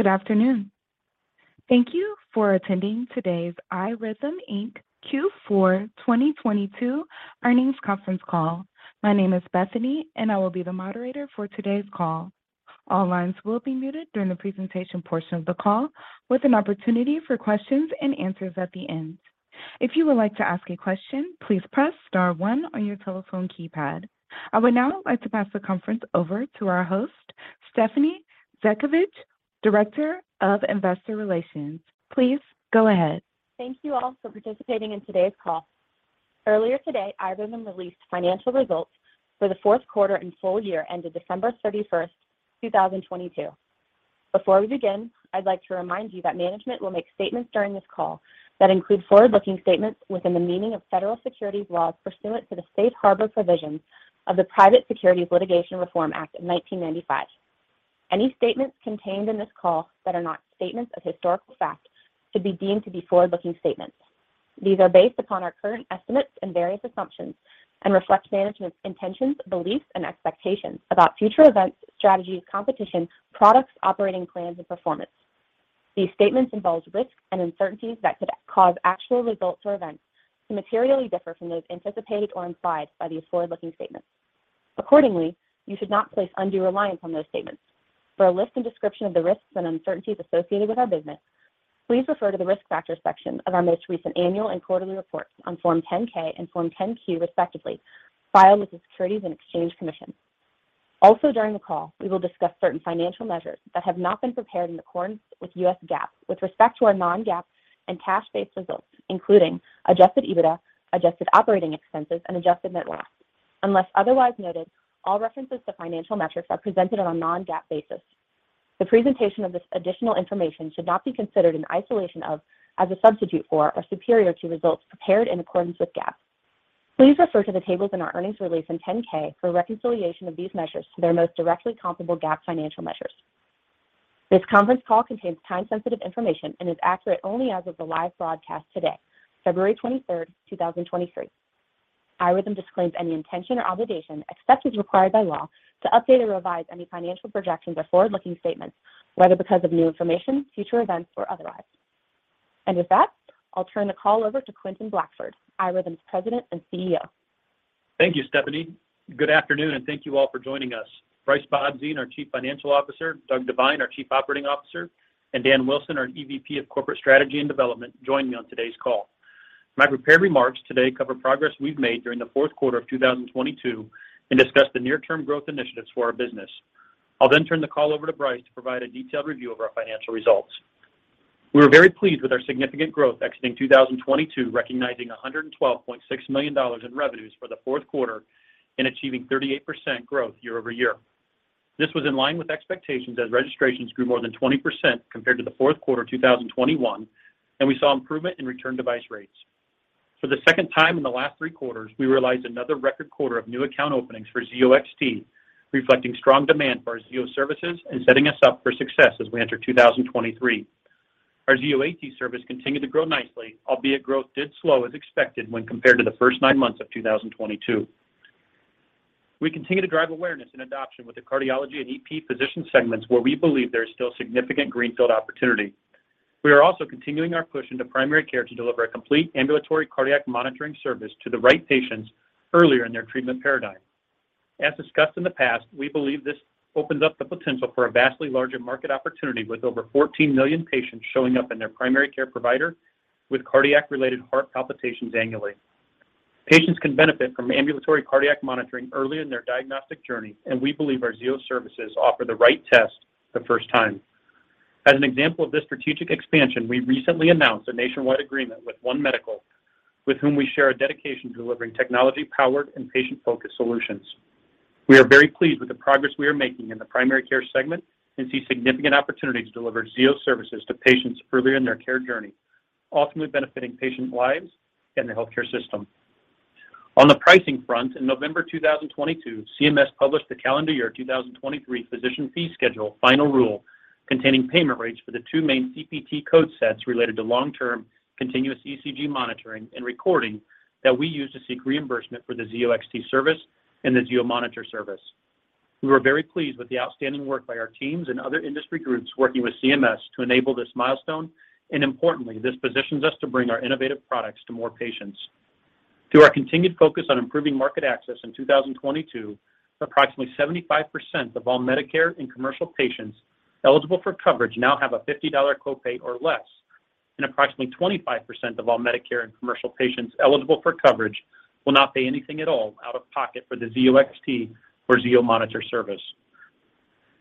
Good afternoon. Thank you for attending today's iRhythm Inc. Q4 2022 Earnings Conference Call. My name is Bethany, and I will be the moderator for today's call. All lines will be muted during the presentation portion of the call with an opportunity for questions and answers at the end. If you would like to ask a question, please press star one on your telephone keypad. I would now like to pass the conference over to our host, Stephanie Zhadkevich, Director of Investor Relations. Please go ahead. Thank you all for participating in today's call. Earlier today, iRhythm released financial results for the Q4 and full year ended December thirty-first, 2022. Before we begin, I'd like to remind you that management will make statements during this call that include forward-looking statements within the meaning of federal securities laws pursuant to the Safe Harbor provisions of the Private Securities Litigation Reform Act of 1995. Any statements contained in this call that are not statements of historical fact should be deemed to be forward-looking statements. These are based upon our current estimates and various assumptions and reflect management's intentions, beliefs, and expectations about future events, strategies, competition, products, operating plans, and performance. These statements involve risks and uncertainties that could cause actual results or events to materially differ from those anticipated or implied by these forward-looking statements. Accordingly, you should not place undue reliance on those statements. For a list and description of the risks and uncertainties associated with our business, please refer to the Risk Factors section of our most recent annual and quarterly reports on Form 10-K and Form 10-Q, respectively, filed with the Securities and Exchange Commission. Also during the call, we will discuss certain financial measures that have not been prepared in accordance with U.S. GAAP with respect to our non-GAAP and cash-based results, including adjusted EBITDA, adjusted operating expenses, and adjusted net loss. Unless otherwise noted, all references to financial metrics are presented on a non-GAAP basis. The presentation of this additional information should not be considered in isolation of, as a substitute for, or superior to results prepared in accordance with GAAP. Please refer to the tables in our earnings release and 10-K for a reconciliation of these measures to their most directly comparable GAAP financial measures. This conference call contains time-sensitive information and is accurate only as of the live broadcast today, February 23, 2023. iRhythm disclaims any intention or obligation, except as required by law, to update or revise any financial projections or forward-looking statements, whether because of new information, future events, or otherwise. With that, I'll turn the call over to Quentin Blackford, iRhythm's President and CEO. Thank you, Stephanie. Good afternoon, and thank you all for joining us. Brice Bobzien, our Chief Financial Officer, Doug Devine, our Chief Operating Officer, and Dan Wilson, our EVP of Corporate Strategy and Development, join me on today's call. My prepared remarks today cover progress we've made during the Q4 of 2022 and discuss the near-term growth initiatives for our business. I'll then turn the call over to Brice to provide a detailed review of our financial results. We were very pleased with our significant growth exiting 2022, recognizing $112.6 million in revenues for the Q4 and achieving 38% growth year-over-year. This was in line with expectations as registrations grew more than 20% compared to the Q4 of 2021, and we saw improvement in return device rates. For the second time in the last 3 quarters, we realized another record quarter of new account openings for Zio XT, reflecting strong demand for our Zio services and setting us up for success as we enter 2023. Our Zio AT service continued to grow nicely, albeit growth did slow as expected when compared to the first 9 months of 2022. We continue to drive awareness and adoption with the cardiology and EP physician segments where we believe there is still significant greenfield opportunity. We are also continuing our push into primary care to deliver a complete ambulatory cardiac monitoring service to the right patients earlier in their treatment paradigm. As discussed in the past, we believe this opens up the potential for a vastly larger market opportunity with over 14 million patients showing up in their primary care provider with cardiac-related heart palpitations annually. Patients can benefit from ambulatory cardiac monitoring early in their diagnostic journey. We believe our Zio services offer the right test the first time. As an example of this strategic expansion, we recently announced a nationwide agreement with One Medical, with whom we share a dedication to delivering technology-powered and patient-focused solutions. We are very pleased with the progress we are making in the primary care segment and see significant opportunities to deliver Zio services to patients earlier in their care journey, ultimately benefiting patient lives and the healthcare system. On the pricing front, in November 2022, CMS published the calendar year 2023 physician fee schedule final rule containing payment rates for the two main CPT code sets related to long-term continuous ECG monitoring and recording that we use to seek reimbursement for the Zio XT service and the Zio monitor service. We were very pleased with the outstanding work by our teams and other industry groups working with CMS to enable this milestone. Importantly, this positions us to bring our innovative products to more patients. Through our continued focus on improving market access in 2022, approximately 75% of all Medicare and commercial patients eligible for coverage now have a $50 copay or less. Approximately 25% of all Medicare and commercial patients eligible for coverage will not pay anything at all out of pocket for the Zio XT or Zio monitor service.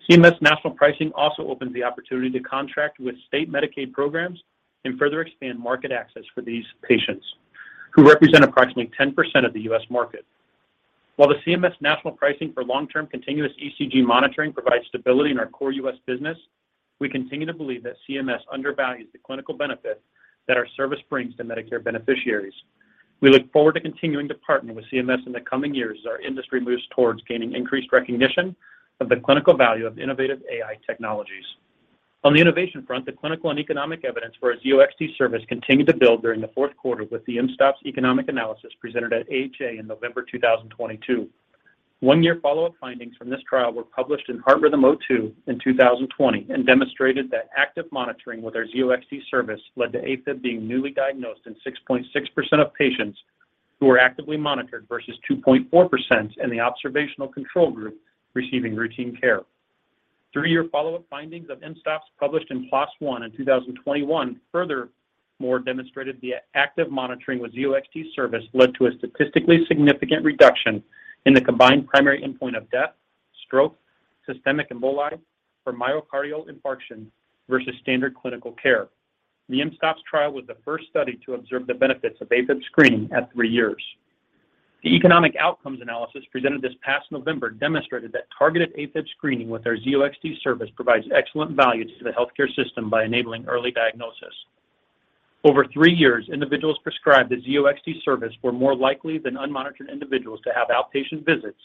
CMS national pricing also opens the opportunity to contract with state Medicaid programs and further expand market access for these patients who represent approximately 10% of the U.S. market. While the CMS national pricing for long-term continuous ECG monitoring provides stability in our core U.S. business, we continue to believe that CMS undervalues the clinical benefit that our service brings to Medicare beneficiaries. We look forward to continuing to partner with CMS in the coming years as our industry moves towards gaining increased recognition of the clinical value of innovative AI technologies. On the innovation front, the clinical and economic evidence for our Zio XT service continued to build during the Q4 with the mSToPS economic analysis presented at AHA in November 2022. 1-year follow-up findings from this trial were published in Heart Rhythm O2 in 2020 and demonstrated that active monitoring with our Zio XT service led to AFib being newly diagnosed in 6.6% of patients who were actively monitored versus 2.4% in the observational control group receiving routine care. 3-year follow-up findings of mSToPS published in PLOS ONE in 2021 furthermore demonstrated the active monitoring with Zio XT service led to a statistically significant reduction in the combined primary endpoint of death, stroke, systemic emboli, or myocardial infarction versus standard clinical care. The mSToPS trial was the first study to observe the benefits of AFib screening at 3 years. The economic outcomes analysis presented this past November demonstrated that targeted AFib screening with our Zio XT service provides excellent value to the healthcare system by enabling early diagnosis. Over 3 years, individuals prescribed the Zio XT service were more likely than unmonitored individuals to have outpatient visits,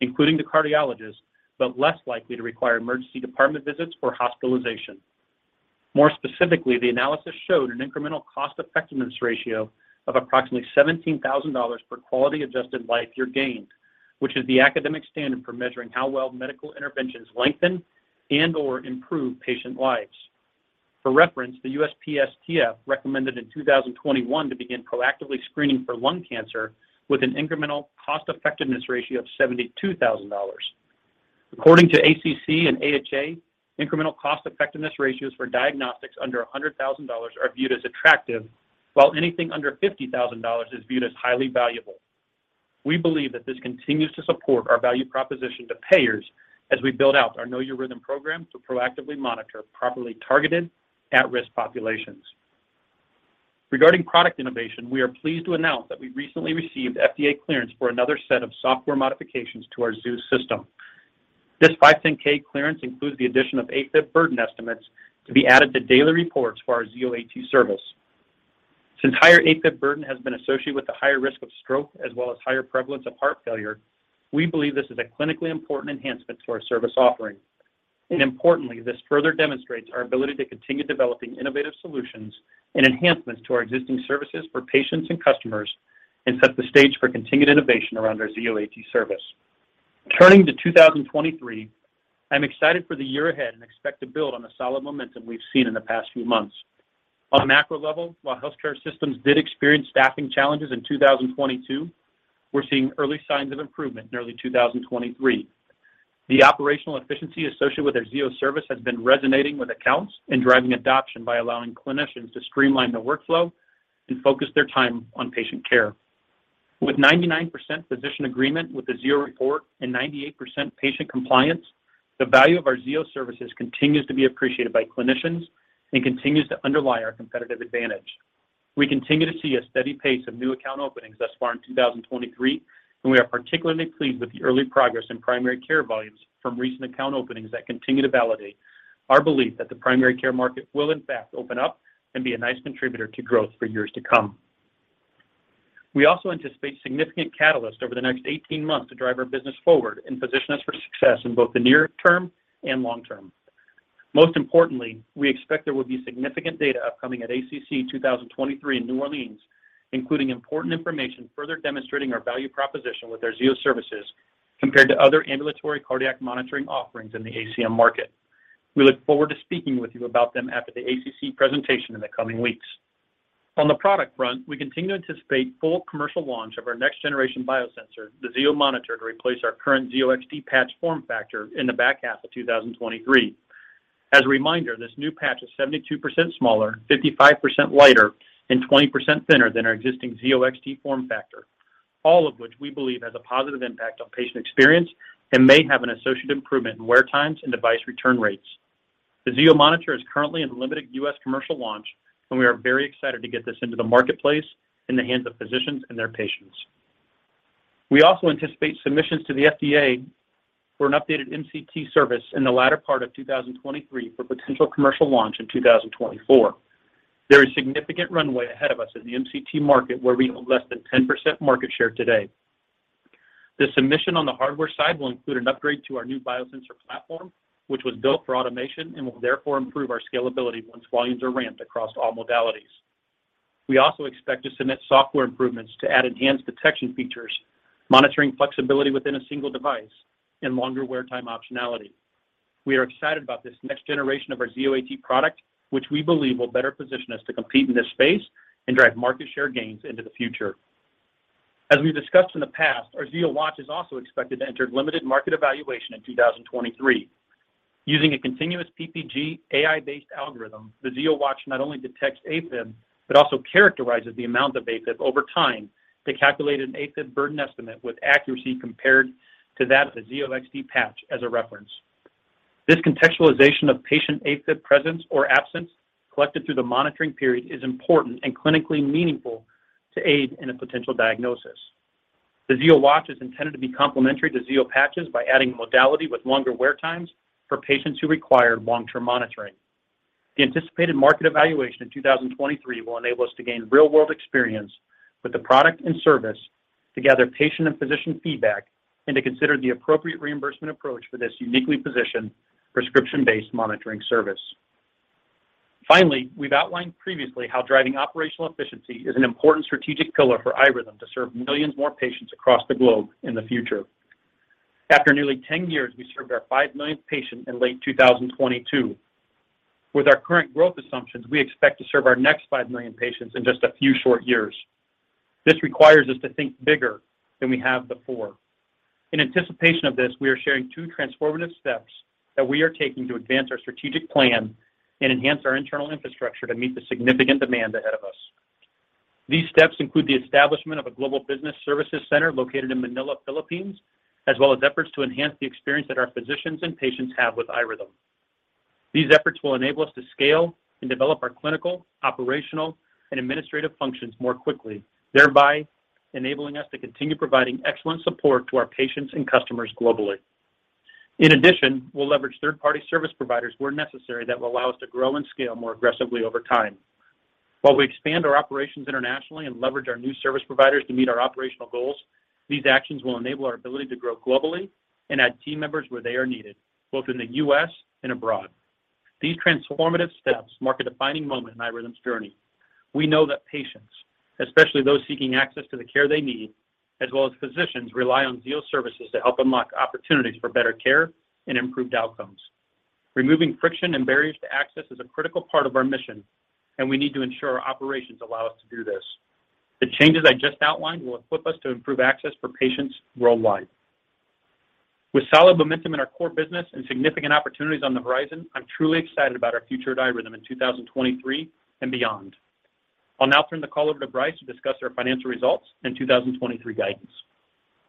including to cardiologists, but less likely to require emergency department visits or hospitalization. More specifically, the analysis showed an incremental cost-effectiveness ratio of approximately $17,000 per quality-adjusted life year gained, which is the academic standard for measuring how well medical interventions lengthen and or improve patient lives. For reference, the USPSTF recommended in 2021 to begin proactively screening for lung cancer with an incremental cost-effectiveness ratio of $72,000. According to ACC and AHA, incremental cost-effectiveness ratios for diagnostics under $100,000 are viewed as attractive, while anything under $50,000 is viewed as highly valuable. We believe that this continues to support our value proposition to payers as we build out our Know Your Rhythm program to proactively monitor properly targeted at-risk populations. Regarding product innovation, we are pleased to announce that we recently received FDA clearance for another set of software modifications to our ZEUS system. This 510K clearance includes the addition of AFib burden estimates to be added to daily reports for our Zio AT service. Since higher AFib burden has been associated with a higher risk of stroke as well as higher prevalence of heart failure, we believe this is a clinically important enhancement to our service offering. Importantly, this further demonstrates our ability to continue developing innovative solutions and enhancements to our existing services for patients and customers and set the stage for continued innovation around our Zio AT service. Turning to 2023, I'm excited for the year ahead and expect to build on the solid momentum we've seen in the past few months. On a macro level, while healthcare systems did experience staffing challenges in 2022, we're seeing early signs of improvement in early 2023. The operational efficiency associated with our Zio service has been resonating with accounts and driving adoption by allowing clinicians to streamline their workflow and focus their time on patient care. With 99% physician agreement with the Zio report and 98% patient compliance, the value of our Zio services continues to be appreciated by clinicians and continues to underlie our competitive advantage. We continue to see a steady pace of new account openings thus far in 2023. We are particularly pleased with the early progress in primary care volumes from recent account openings that continue to validate our belief that the primary care market will in fact open up and be a nice contributor to growth for years to come. We also anticipate significant catalyst over the next 18 months to drive our business forward and position us for success in both the near term and long term. Most importantly, we expect there will be significant data upcoming at ACC 2023 in New Orleans, including important information further demonstrating our value proposition with our Zio services compared to other ambulatory cardiac monitoring offerings in the ACM market. We look forward to speaking with you about them after the ACC presentation in the coming weeks. On the product front, we continue to anticipate full commercial launch of our next-generation biosensor, the Zio monitor, to replace our current Zio XT patch form factor in the back half of 2023. As a reminder, this new patch is 72% smaller, 55% lighter, and 20% thinner than our existing Zio XT form factor, all of which we believe has a positive impact on patient experience and may have an associated improvement in wear times and device return rates. The Zio monitor is currently in limited U.S. commercial launch, and we are very excited to get this into the marketplace in the hands of physicians and their patients. We also anticipate submissions to the FDA for an updated MCT service in the latter part of 2023 for potential commercial launch in 2024. There is significant runway ahead of us in the MCT market where we own less than 10% market share today. The submission on the hardware side will include an upgrade to our new biosensor platform, which was built for automation and will therefore improve our scalability once volumes are ramped across all modalities. We also expect to submit software improvements to add enhanced detection features, monitoring flexibility within a single device, and longer wear time optionality. We are excited about this next generation of our Zio AT product, which we believe will better position us to compete in this space and drive market share gains into the future. As we've discussed in the past, our Zio Watch is also expected to enter limited market evaluation in 2023. Using a continuous PPG AI-based algorithm, the Zio Watch not only detects AFib, but also characterizes the amount of AFib over time to calculate an AFib burden estimate with accuracy compared to that of the Zio XT patch as a reference. This contextualization of patient AFib presence or absence collected through the monitoring period is important and clinically meaningful to aid in a potential diagnosis. The Zio Watch is intended to be complementary to Zio patches by adding a modality with longer wear times for patients who require long-term monitoring. The anticipated market evaluation in 2023 will enable us to gain real-world experience with the product and service to gather patient and physician feedback and to consider the appropriate reimbursement approach for this uniquely positioned prescription-based monitoring service. Finally, we've outlined previously how driving operational efficiency is an important strategic pillar for iRhythm to serve millions more patients across the globe in the future. After nearly 10 years, we served our 5 millionth patient in late 2022. With our current growth assumptions, we expect to serve our next 5 million patients in just a few short years. This requires us to think bigger than we have before. In anticipation of this, we are sharing 2 transformative steps that we are taking to advance our strategic plan and enhance our internal infrastructure to meet the significant demand ahead of us. These steps include the establishment of a global business services center located in Manila, Philippines, as well as efforts to enhance the experience that our physicians and patients have with iRhythm. These efforts will enable us to scale and develop our clinical, operational, and administrative functions more quickly, thereby enabling us to continue providing excellent support to our patients and customers globally. In addition, we'll leverage third-party service providers where necessary that will allow us to grow and scale more aggressively over time. While we expand our operations internationally and leverage our new service providers to meet our operational goals, these actions will enable our ability to grow globally and add team members where they are needed, both in the U.S. and abroad. These transformative steps mark a defining moment in iRhythm's journey. We know that patients, especially those seeking access to the care they need, as well as physicians, rely on Zio Services to help unlock opportunities for better care and improved outcomes. Removing friction and barriers to access is a critical part of our mission. We need to ensure our operations allow us to do this. The changes I just outlined will equip us to improve access for patients worldwide. With solid momentum in our core business and significant opportunities on the horizon, I'm truly excited about our future at iRhythm in 2023 and beyond. I'll now turn the call over to Brice to discuss our financial results and 2023 guidance.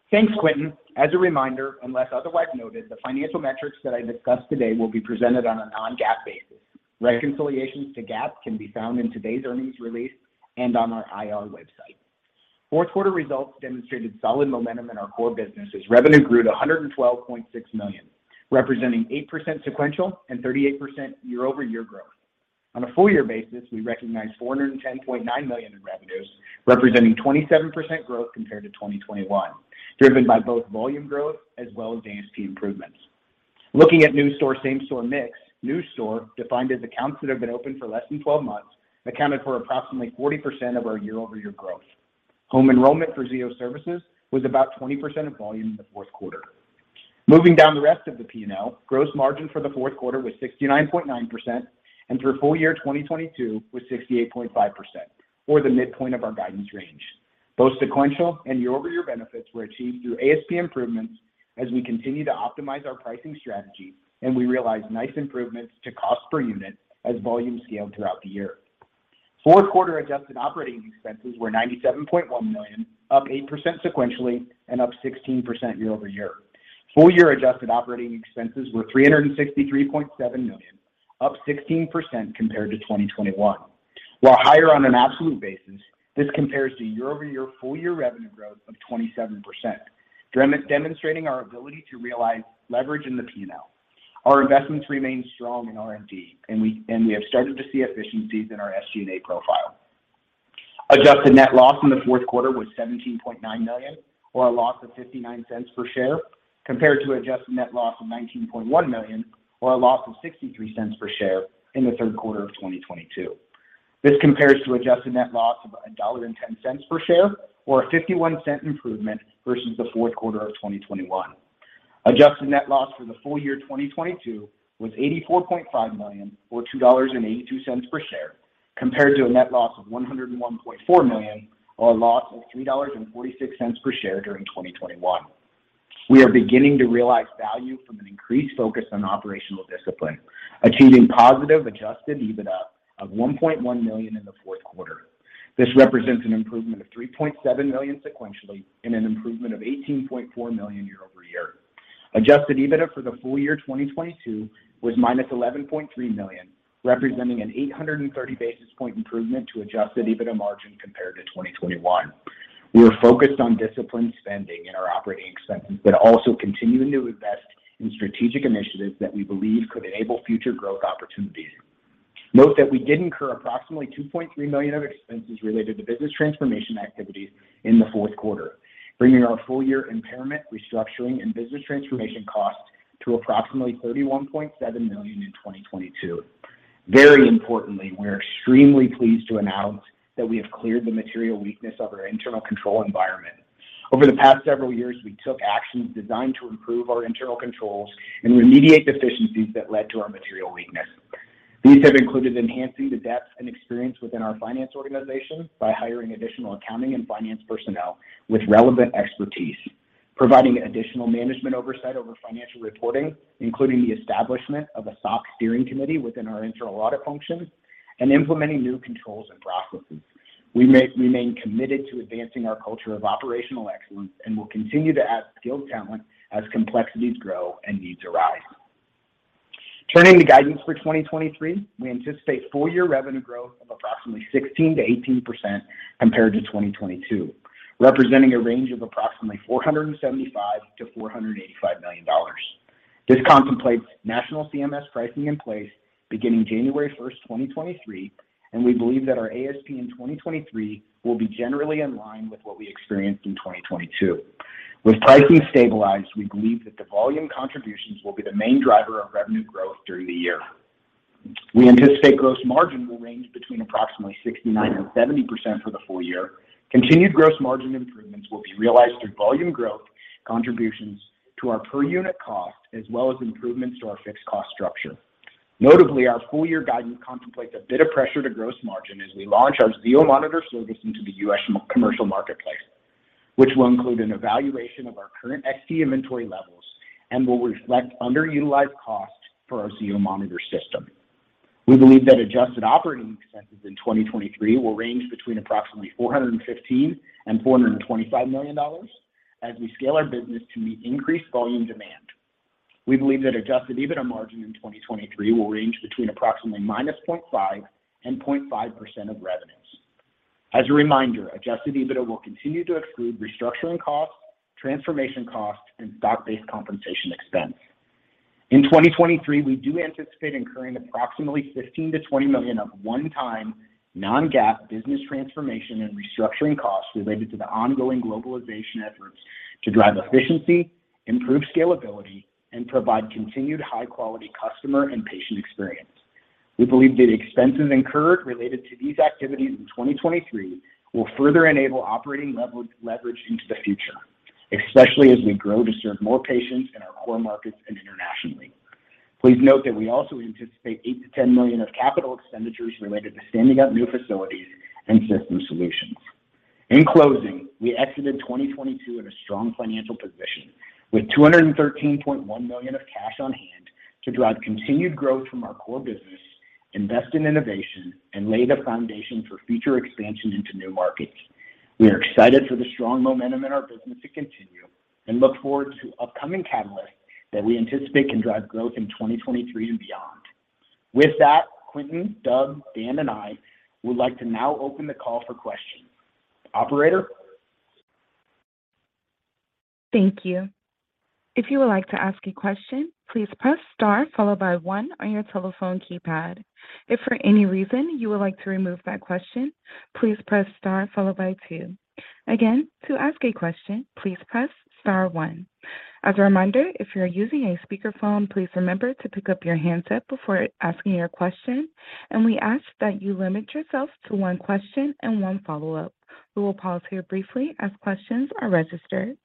Thanks, Quentin. As a reminder, unless otherwise noted, the financial metrics that I discuss today will be presented on a non-GAAP basis. Reconciliations to GAAP can be found in today's earnings release and on our IR website. Q4 results demonstrated solid momentum in our core business as revenue grew to $112.6 million, representing 8% sequential and 38% year-over-year growth. On a full year basis, we recognized $410.9 million in revenues, representing 27% growth compared to 2021, driven by both volume growth as well as ASP improvements. Looking at new store, same store mix, new store, defined as accounts that have been open for less than 12 months, accounted for approximately 40% of our year-over-year growth. Home enrollment for Zio Services was about 20% of volume in the Q4. Moving down the rest of the P&L, gross margin for the Q4 was 69.9% and through full year 2022 was 68.5% or the midpoint of our guidance range. Both sequential and year-over-year benefits were achieved through ASP improvements as we continue to optimize our pricing strategy. We realized nice improvements to cost per unit as volume scaled throughout the year. Q4 adjusted operating expenses were $97.1 million, up 8% sequentially and up 16% year-over-year. Full year adjusted operating expenses were $363.7 million, up 16% compared to 2021. While higher on an absolute basis, this compares to year-over-year full year revenue growth of 27%, demonstrating our ability to realize leverage in the P&L. Our investments remain strong in R&D, and we have started to see efficiencies in our SG&A profile. Adjusted net loss in the Q4 was $17.9 million or a loss of $0.59 per share, compared to adjusted net loss of $19.1 million or a loss of $0.63 per share in the Q3 of 2022. This compares to adjusted net loss of $1.10 per share or a $0.51 improvement versus the Q4 of 2021. Adjusted net loss for the full year 2022 was $84.5 million or $2.82 per share, compared to a net loss of $101.4 million or a loss of $3.46 per share during 2021. We are beginning to realize value from an increased focus on operational discipline, achieving positive adjusted EBITDA of $1.1 million in the Q4. This represents an improvement of $3.7 million sequentially and an improvement of $18.4 million year-over-year. Adjusted EBITDA for the full year 2022 was -$11.3 million, representing an 830 basis point improvement to adjusted EBITDA margin compared to 2021. We are focused on disciplined spending in our operating expenses, but also continuing to invest in strategic initiatives that we believe could enable future growth opportunities. Note that we did incur approximately $2.3 million of expenses related to business transformation activities in the Q4, bringing our full year impairment, restructuring, and business transformation cost to approximately $31.7 million in 2022. Very importantly, we're extremely pleased to announce that we have cleared the material weakness of our internal control environment. Over the past several years, we took actions designed to improve our internal controls and remediate deficiencies that led to our material weakness. These have included enhancing the depth and experience within our finance organization by hiring additional accounting and finance personnel with relevant expertise, providing additional management oversight over financial reporting, including the establishment of a SOC steering committee within our internal audit functions, and implementing new controls and processes. We remain committed to advancing our culture of operational excellence and will continue to add skilled talent as complexities grow and needs arise. Turning to guidance for 2023, we anticipate full year revenue growth of approximately 16%-18% compared to 2022, representing a range of approximately $475 million-$485 million. This contemplates national CMS pricing in place beginning January 1, 2023, and we believe that our ASP in 2023 will be generally in line with what we experienced in 2022. With pricing stabilized, we believe that the volume contributions will be the main driver of revenue growth during the year. We anticipate gross margin will range between approximately 69%-70% for the full year. Continued gross margin improvements will be realized through volume growth contributions to our per unit cost, as well as improvements to our fixed cost structure. Notably, our full year guidance contemplates a bit of pressure to gross margin as we launch our Zio monitor service into the US commercial marketplace, which will include an evaluation of our current Zio XT inventory levels and will reflect underutilized costs for our Zio monitor system. We believe that adjusted operating expenses in 2023 will range between approximately $415 million-$425 million as we scale our business to meet increased volume demand. We believe that adjusted EBITDA margin in 2023 will range between approximately -0.5% and 0.5% of revenues. As a reminder, adjusted EBITDA will continue to exclude restructuring costs, transformation costs and stock-based compensation expense. In 2023, we do anticipate incurring approximately $15 million-$20 million of one-time non-GAAP business transformation and restructuring costs related to the ongoing globalization efforts to drive efficiency, improve scalability, and provide continued high quality customer and patient experience. We believe that expenses incurred related to these activities in 2023 will further enable operating leverage into the future, especially as we grow to serve more patients in our core markets and internationally. Please note that we also anticipate $8 million-$10 million of capital expenditures related to standing up new facilities and system solutions. In closing, we exited 2022 in a strong financial position with $213.1 million of cash on hand to drive continued growth from our core business, invest in innovation, and lay the foundation for future expansion into new markets. We are excited for the strong momentum in our business to continue and look forward to upcoming catalysts that we anticipate can drive growth in 2023 and beyond. With that, Quentin, Doug, Dan, and I would like to now open the call for questions. Operator? Thank you. If you would like to ask a question, please press star followed by one on your telephone keypad. If for any reason you would like to remove that question, please press star followed by two. Again, to ask a question, please press star one. As a reminder, if you're using a speakerphone, please remember to pick up your handset before asking your question, and we ask that you limit yourself to 1 question and 1 follow-up. We will pause here briefly as questions are registered.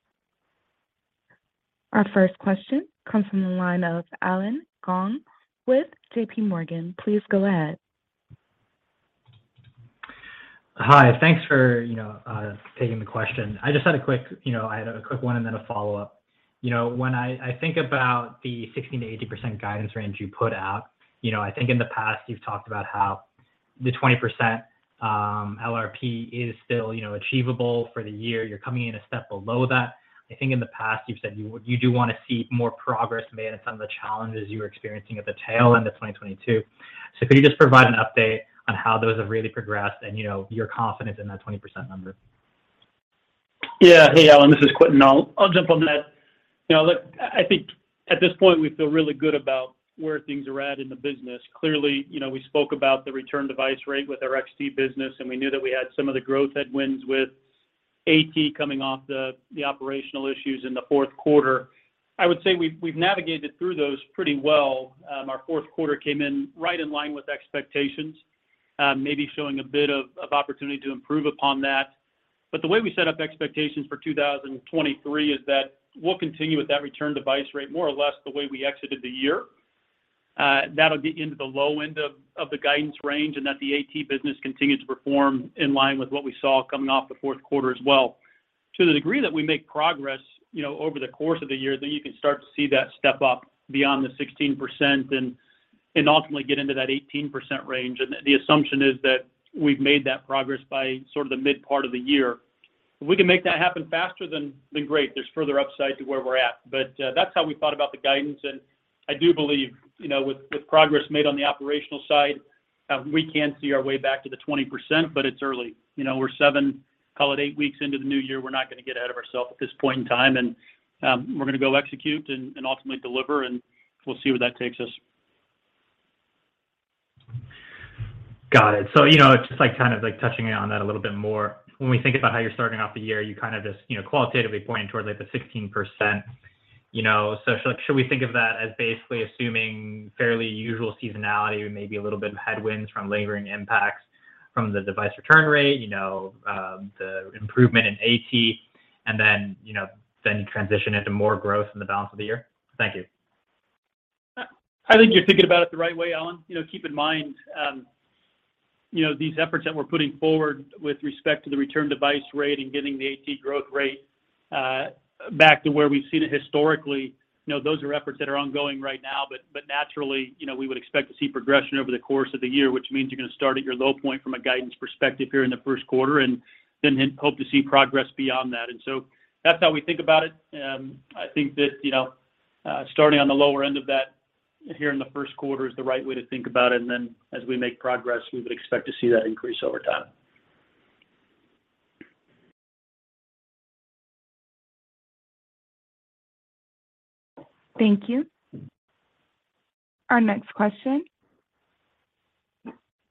Our first question comes from the line of Allen Gong with JP Morgan. Please go ahead. Hi. Thanks for, you know, taking the question. I just had a quick, you know, I had a quick one and then a follow-up. When I think about the 16%-80% guidance range you put out, you know, I think in the past you've talked about how the 20% LRP is still, you know, achievable for the year. You're coming in a step below that. I think in the past you've said you do wanna see more progress made on some of the challenges you were experiencing at the tail end of 2022. Could you just provide an update on how those have really progressed and, you know, your confidence in that 20% number? Yeah. Hey, Allen, this is Quentin. I'll jump on that. You know, look, I think at this point we feel really good about where things are at in the business. Clearly, you know, we spoke about the return device rate with our Zio XT business, and we knew that we had some of the growth headwinds with AT coming off the operational issues in the Q4. I would say we've navigated through those pretty well. Our Q4 came in right in line with expectations, maybe showing a bit of opportunity to improve upon that. The way we set up expectations for 2023 is that we'll continue with that return device rate more or less the way we exited the year. That'll be into the low end of the guidance range and that the AT business continues to perform in line with what we saw coming off the Q4 as well. To the degree that we make progress, you know, over the course of the year, then you can start to see that step up beyond the 16% and ultimately get into that 18% range. The assumption is that we've made that progress by sort of the mid part of the year. If we can make that happen faster, then great, there's further upside to where we're at. That's how we thought about the guidance, and I do believe, you know, with progress made on the operational side, we can see our way back to the 20%, but it's early. You know, we're seven, call it eight weeks into the new year. We're not gonna get ahead of ourselves at this point in time, and we're gonna go execute and ultimately deliver, and we'll see where that takes us. Got it. You know, just like, kind of like touching on that a little bit more. When we think about how you're starting off the year, you kinda just, you know, qualitatively pointing towards like the 16%, you know. Should we think of that as basically assuming fairly usual seasonality with maybe a little bit of headwinds from laboring impacts from the device return rate, you know, the improvement in AT, and then, you know, then transition into more growth in the balance of the year? Thank you. I think you're thinking about it the right way, Allen Gong. You know, keep in mind, you know, these efforts that we're putting forward with respect to the return device rate and getting the AT growth rate back to where we've seen it historically, you know, those are efforts that are ongoing right now. Naturally, you know, we would expect to see progression over the course of the year, which means you're gonna start at your low point from a guidance perspective here in the Q1 and then hope to see progress beyond that. That's how we think about it. I think that, you know, starting on the lower end of that here in the Q1 is the right way to think about it. As we make progress, we would expect to see that increase over time. Thank you. Our next question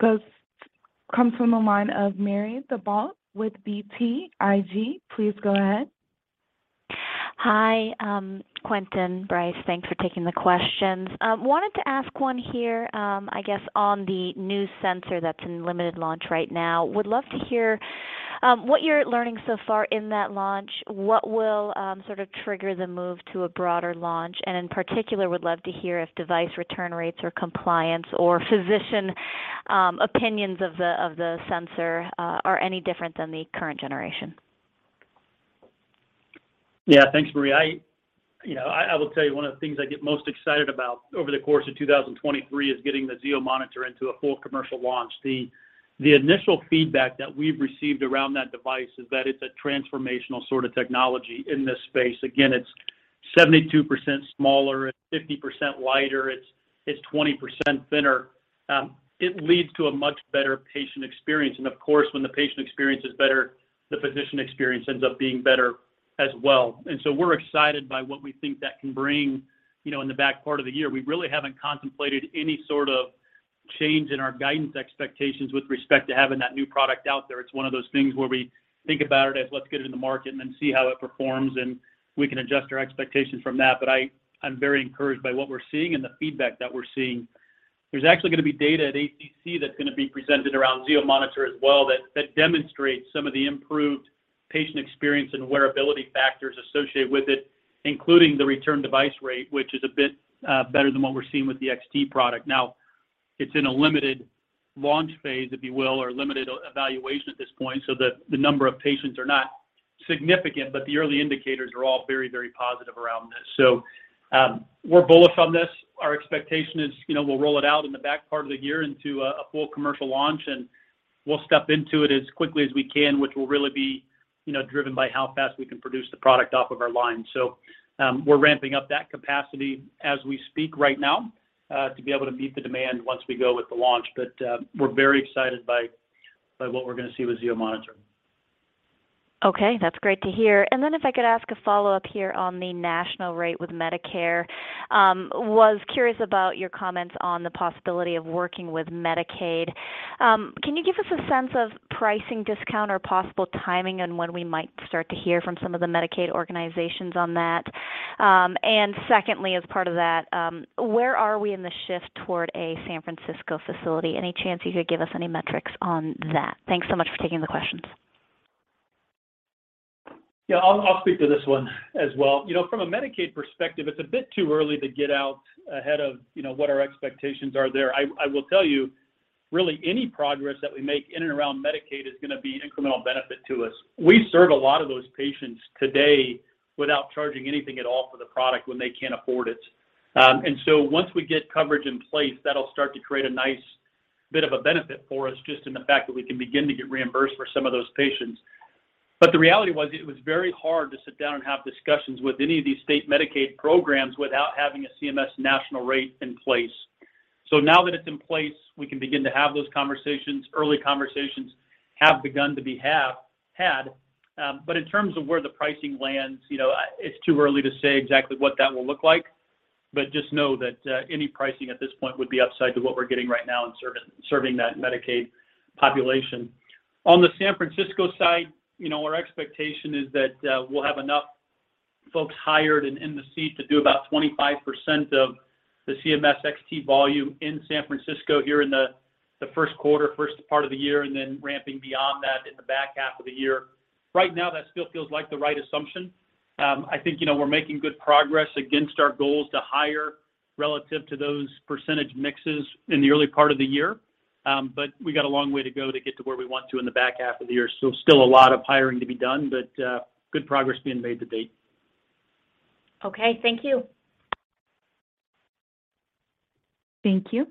comes from the line of Marie Thibault with BTIG. Please go ahead. Hi, Quentin, Bryce. Thanks for taking the questions. Wanted to ask one here, I guess on the new sensor that's in limited launch right now. Would love to hear what you're learning so far in that launch. What will sort of trigger the move to a broader launch? In particular, would love to hear if device return rates or compliance or physician opinions of the sensor are any different than the current generation. Yeah. Thanks, Marie. I, you know, I will tell you one of the things I get most excited about over the course of 2023 is getting the Zio Monitor into a full commercial launch. The initial feedback that we've received around that device is that it's a transformational sort of technology in this space. Again, it's 72% smaller and 50% lighter. It's 20% thinner. It leads to a much better patient experience. Of course, when the patient experience is better, the physician experience ends up being better as well. We're excited by what we think that can bring, you know, in the back part of the year. We really haven't contemplated any sort of change in our guidance expectations with respect to having that new product out there. It's one of those things where we think about it as let's get it in the market and then see how it performs, and we can adjust our expectations from that. But I'm very encouraged by what we're seeing and the feedback that we're seeing. There's actually gonna be data at ACC that's gonna be presented around Zio monitor as well that demonstrates some of the improved patient experience and wearability factors associated with it, including the return device rate, which is a bit better than what we're seeing with the XT product. It's in a limited launch phase, if you will, or limited evaluation at this point, so the number of patients are not significant, but the early indicators are all very, very positive around this. We're bullish on this. Our expectation is, you know, we'll roll it out in the back part of the year into a full commercial launch, and we'll step into it as quickly as we can, which will really be, you know, driven by how fast we can produce the product off of our line. We're ramping up that capacity as we speak right now, to be able to meet the demand once we go with the launch. We're very excited by what we're gonna see with Zio monitor. Okay, that's great to hear. If I could ask a follow-up here on the national rate with Medicare. Was curious about your comments on the possibility of working with Medicaid. Can you give us a sense of pricing discount or possible timing on when we might start to hear from some of the Medicaid organizations on that? Secondly, as part of that, where are we in the shift toward a San Francisco facility? Any chance you could give us any metrics on that? Thanks so much for taking the questions. Yeah. I'll speak to this one as well. You know, from a Medicaid perspective, it's a bit too early to get out ahead of, you know, what our expectations are there. I will tell you, really any progress that we make in and around Medicaid is gonna be an incremental benefit to us. We serve a lot of those patients today without charging anything at all for the product when they can't afford it. Once we get coverage in place, that'll start to create a nice bit of a benefit for us just in the fact that we can begin to get reimbursed for some of those patients. The reality was it was very hard to sit down and have discussions with any of these state Medicaid programs without having a CMS national rate in place. Now that it's in place, we can begin to have those conversations. Early conversations have begun to be had, but in terms of where the pricing lands, you know, it's too early to say exactly what that will look like. Just know that any pricing at this point would be upside to what we're getting right now in serving that Medicaid population. On the San Francisco side, you know, our expectation is that we'll have enough folks hired and in the seat to do about 25% of the CMS XT volume in San Francisco here in the Q1, first part of the year, and then ramping beyond that in the back half of the year. Right now, that still feels like the right assumption. I think, you know, we're making good progress against our goals to hire relative to those percentage mixes in the early part of the year. We got a long way to go to get to where we want to in the back half of the year. Still a lot of hiring to be done, but, good progress being made to date. Okay, thank you. Thank you.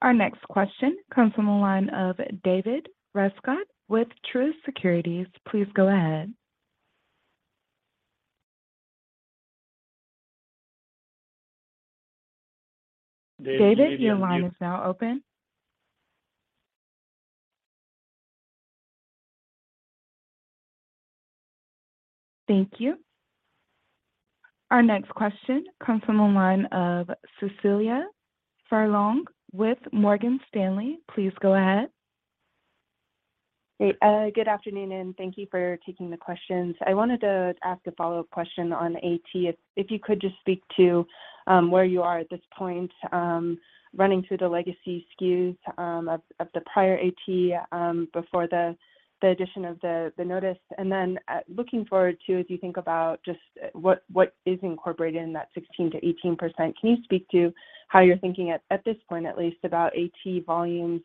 Our next question comes from the line of David Rescott with Truist Securities. Please go ahead. David, your line is now open. Thank you. Our next question comes from the line of Cecilia Furlong with Morgan Stanley. Please go ahead. Hey, good afternoon, thank you for taking the questions. I wanted to ask a follow-up question on AT. If you could just speak to where you are at this point, running through the legacy SKUs of the prior AT before the addition of the notice. Then, looking forward too, as you think about just what is incorporated in that 16%-18%, can you speak to how you're thinking at this point at least about AT volumes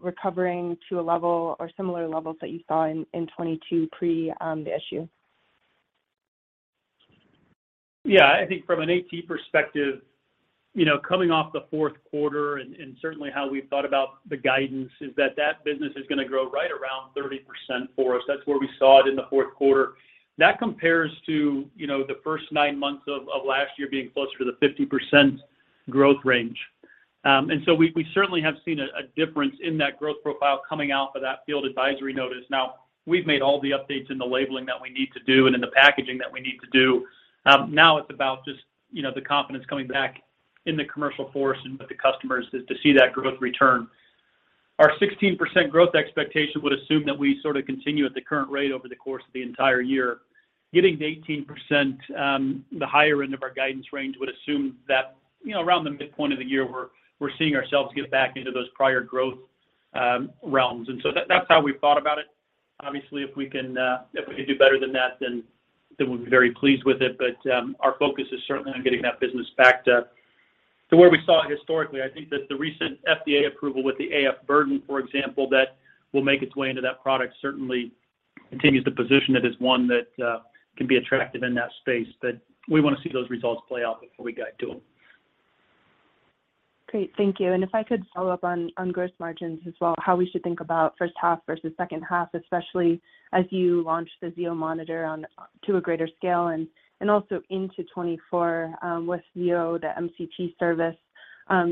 recovering to a level or similar levels that you saw in 2022 pre the issue? Yeah. I think from an AT perspective, you know, coming off the Q4 and, certainly how we thought about the guidance is that that business is gonna grow right around 30% for us. That's where we saw it in the Q4. That compares to, you know, the first nine months of last year being closer to the 50% growth range. We certainly have seen a difference in that growth profile coming out of that field advisory notice. We've made all the updates in the labeling that we need to do and in the packaging that we need to do. Now it's about just, you know, the confidence coming back in the commercial force and with the customers to see that growth return. Our 16% growth expectation would assume that we sort of continue at the current rate over the course of the entire year. Getting to 18%, the higher end of our guidance range would assume that, you know, around the midpoint of the year, we're seeing ourselves get back into those prior growth realms. That's how we've thought about it. Obviously, if we can, if we can do better than that, then we're very pleased with it. Our focus is certainly on getting that business back to where we saw it historically. I think that the recent FDA approval with the AF burden, for example, that will make its way into that product certainly continues to position it as one that can be attractive in that space. We wanna see those results play out before we guide to them. Great. Thank you. If I could follow up on gross margins as well, how we should think about first half versus second half, especially as you launch the Zio monitor to a greater scale and also into 2024, with Zio, the MCT service,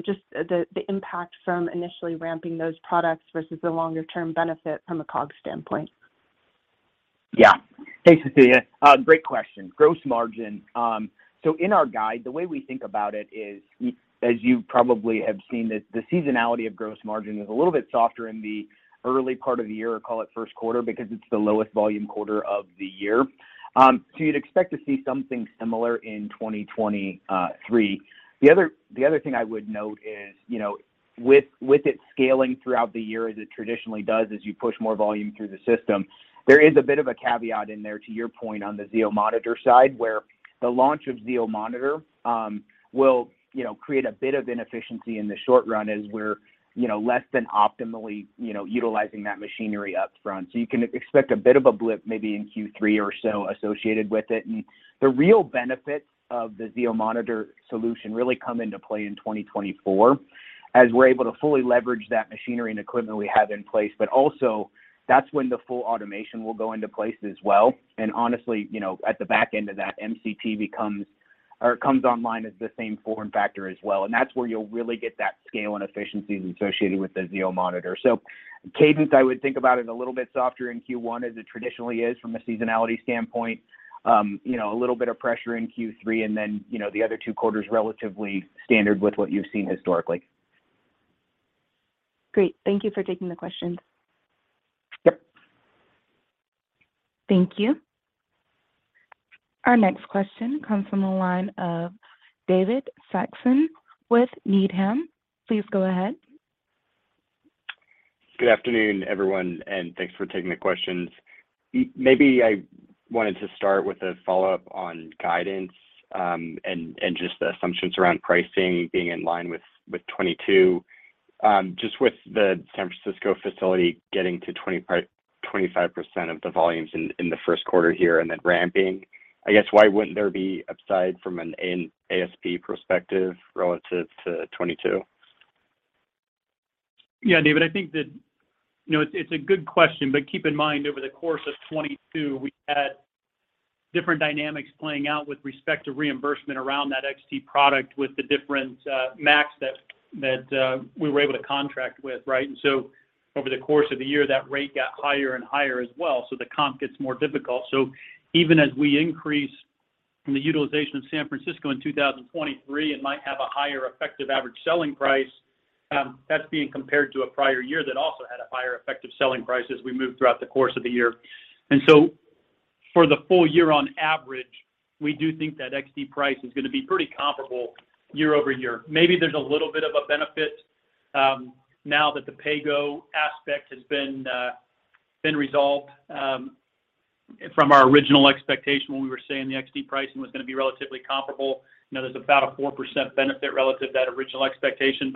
just the impact from initially ramping those products versus the longer term benefit from a COG standpoint. Yeah. Thanks, Cecilia. Great question. Gross margin. In our guide, the way we think about it is, as you probably have seen, the seasonality of gross margin is a little bit softer in the early part of the year, call it Q1, because it's the lowest volume quarter of the year. You'd expect to see something similar in 2023. The other thing I would note is, you know, with it scaling throughout the year as it traditionally does, as you push more volume through the system, there is a bit of a caveat in there to your point on the Zio monitor side, where the launch of Zio monitor will, you know, create a bit of inefficiency in the short run as we're, you know, less than optimally, you know, utilizing that machinery up front. You can expect a bit of a blip maybe in Q3 or so associated with it. The real benefits of the Zio monitor solution really come into play in 2024 as we're able to fully leverage that machinery and equipment we have in place. Also, that's when the full automation will go into place as well. Honestly, you know, at the back end of that, MCT becomes or comes online as the same form factor as well, and that's where you'll really get that scale and efficiencies associated with the Zio monitor. Cadence, I would think about it a little bit softer in Q1 as it traditionally is from a seasonality standpoint. You know, a little bit of pressure in Q3, and then, you know, the other two quarters relatively standard with what you've seen historically. Great. Thank you for taking the questions. Yep. Thank you. Our next question comes from the line of David Saxon with Needham. Please go ahead. Good afternoon, everyone, and thanks for taking the questions. maybe I wanted to start with a follow-up on guidance and just the assumptions around pricing being in line with 2022. just with the San Francisco facility getting to 25% of the volumes in the Q1 here and then ramping, I guess why wouldn't there be upside from an ASP perspective relative to 2022? Yeah, David, I think, you know, it's a good question. Keep in mind, over the course of 2022, we had different dynamics playing out with respect to reimbursement around that XT product with the different MACs that we were able to contract with, right? Over the course of the year, that rate got higher and higher as well, so the comp gets more difficult. Even as we increase the utilization of Zio XT in 2023, it might have a higher effective average selling price that's being compared to a prior year that also had a higher effective selling price as we move throughout the course of the year. For the full year on average, we do think that XT price is gonna be pretty comparable year-over-year. Maybe there's a little bit of a benefit now that the PAYGO aspect has been resolved from our original expectation when we were saying the XT pricing was gonna be relatively comparable. You know, there's about a 4% benefit relative to that original expectation.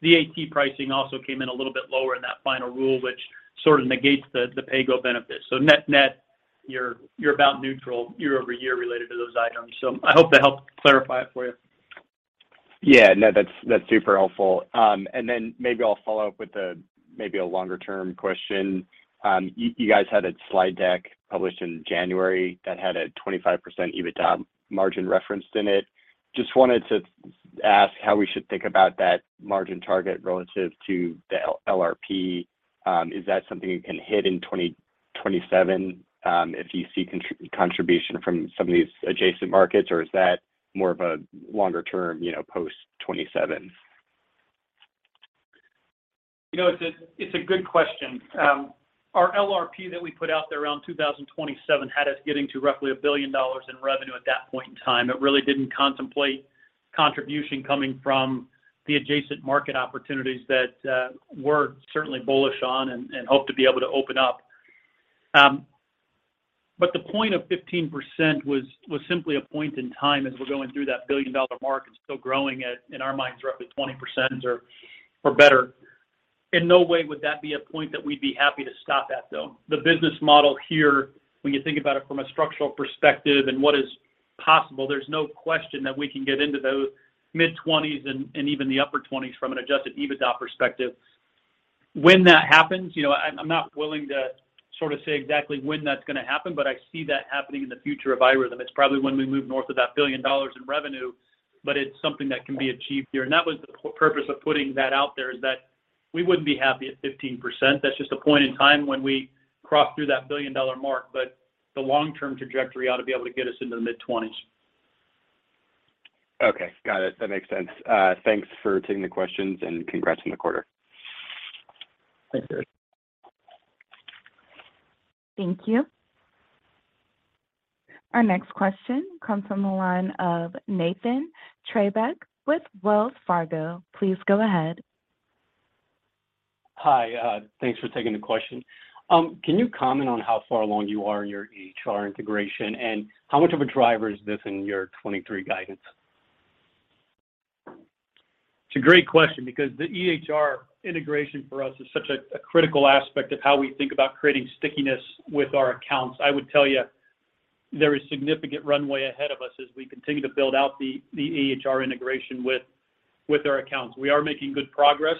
The AT pricing also came in a little bit lower in that final rule, which sort of negates the PAYGO benefit. Net-net, you're about neutral year-over-year related to those items. I hope that helped clarify it for you. Yeah. No, that's super helpful. Then maybe I'll follow up with a maybe a longer-term question. You guys had a slide deck published in January that had a 25% EBITDA margin referenced in it. Just wanted to ask how we should think about that margin target relative to the LRP. Is that something you can hit in 2027, if you see contribution from some of these adjacent markets, or is that more of a longer term, you know, post 2027? You know, it's a good question. Our LRP that we put out there around 2027 had us getting to roughly $1 billion in revenue at that point in time. It really didn't contemplate contribution coming from the adjacent market opportunities that we're certainly bullish on and hope to be able to open up. The point of 15% was simply a point in time as we're going through that billion-dollar mark and still growing at, in our minds, roughly 20% or better. In no way would that be a point that we'd be happy to stop at, though. The business model here, when you think about it from a structural perspective and what is possible, there's no question that we can get into those mid-20s and even the upper 20s from an adjusted EBITDA perspective. When that happens, you know, I'm not willing to sort of say exactly when that's gonna happen, but I see that happening in the future of iRhythm. It's probably when we move north of that $1 billion in revenue, but it's something that can be achieved here. That was the purpose of putting that out there, is that we wouldn't be happy at 15%. That's just a point in time when we cross through that $1 billion mark. The long-term trajectory ought to be able to get us into the mid-20s. Okay. Got it. That makes sense. Thanks for taking the questions, congrats on the quarter. Thanks, David. Thank you. Our next question comes from the line of Nathan Treybeck with Wells Fargo. Please go ahead. Hi. Thanks for taking the question. Can you comment on how far along you are in your EHR integration, and how much of a driver is this in your 2023 guidance? It's a great question because the EHR integration for us is such a critical aspect of how we think about creating stickiness with our accounts. I would tell you there is significant runway ahead of us as we continue to build out the EHR integration with our accounts. We are making good progress.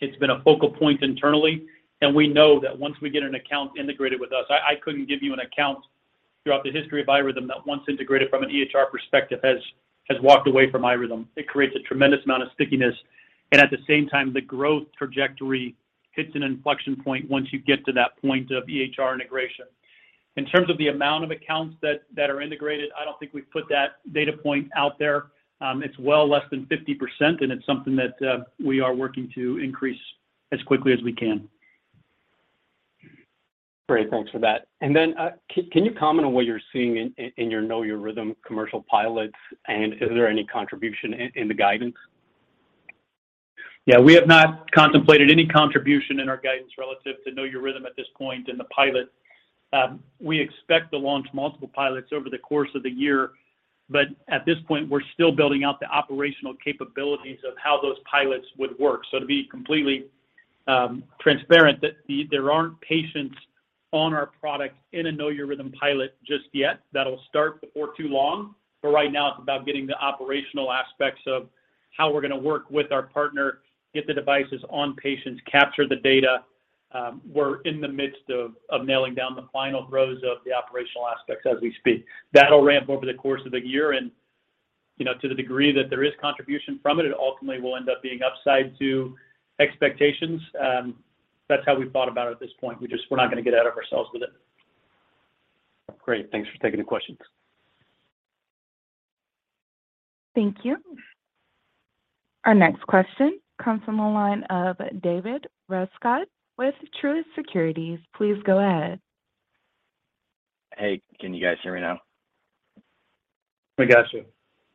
It's been a focal point internally, and we know that once we get an account integrated with us. I couldn't give you an account throughout the history of iRhythm that once integrated from an EHR perspective has walked away from iRhythm. It creates a tremendous amount of stickiness, and at the same time, the growth trajectory hits an inflection point once you get to that point of EHR integration. In terms of the amount of accounts that are integrated, I don't think we've put that data point out there. It's well less than 50%, and it's something that we are working to increase as quickly as we can. Great. Thanks for that. Can you comment on what you're seeing in your Know Your Rhythm commercial pilots, and is there any contribution in the guidance? Yeah, we have not contemplated any contribution in our guidance relative to Know Your Rhythm at this point in the pilot. We expect to launch multiple pilots over the course of the year, but at this point, we're still building out the operational capabilities of how those pilots would work. To be completely transparent that there aren't patients on our product in a Know Your Rhythm pilot just yet. That'll start before too long, but right now it's about getting the operational aspects of how we're gonna work with our partner, get the devices on patients, capture the data. We're in the midst of nailing down the final throes of the operational aspects as we speak. That'll ramp over the course of the year and, you know, to the degree that there is contribution from it ultimately will end up being upside to expectations. That's how we've thought about it at this point. We're not gonna get out of ourselves with it. Great. Thanks for taking the questions. Thank you. Our next question comes from the line of David Rescott with Truist Securities. Please go ahead. Hey, can you guys hear me now? We got you.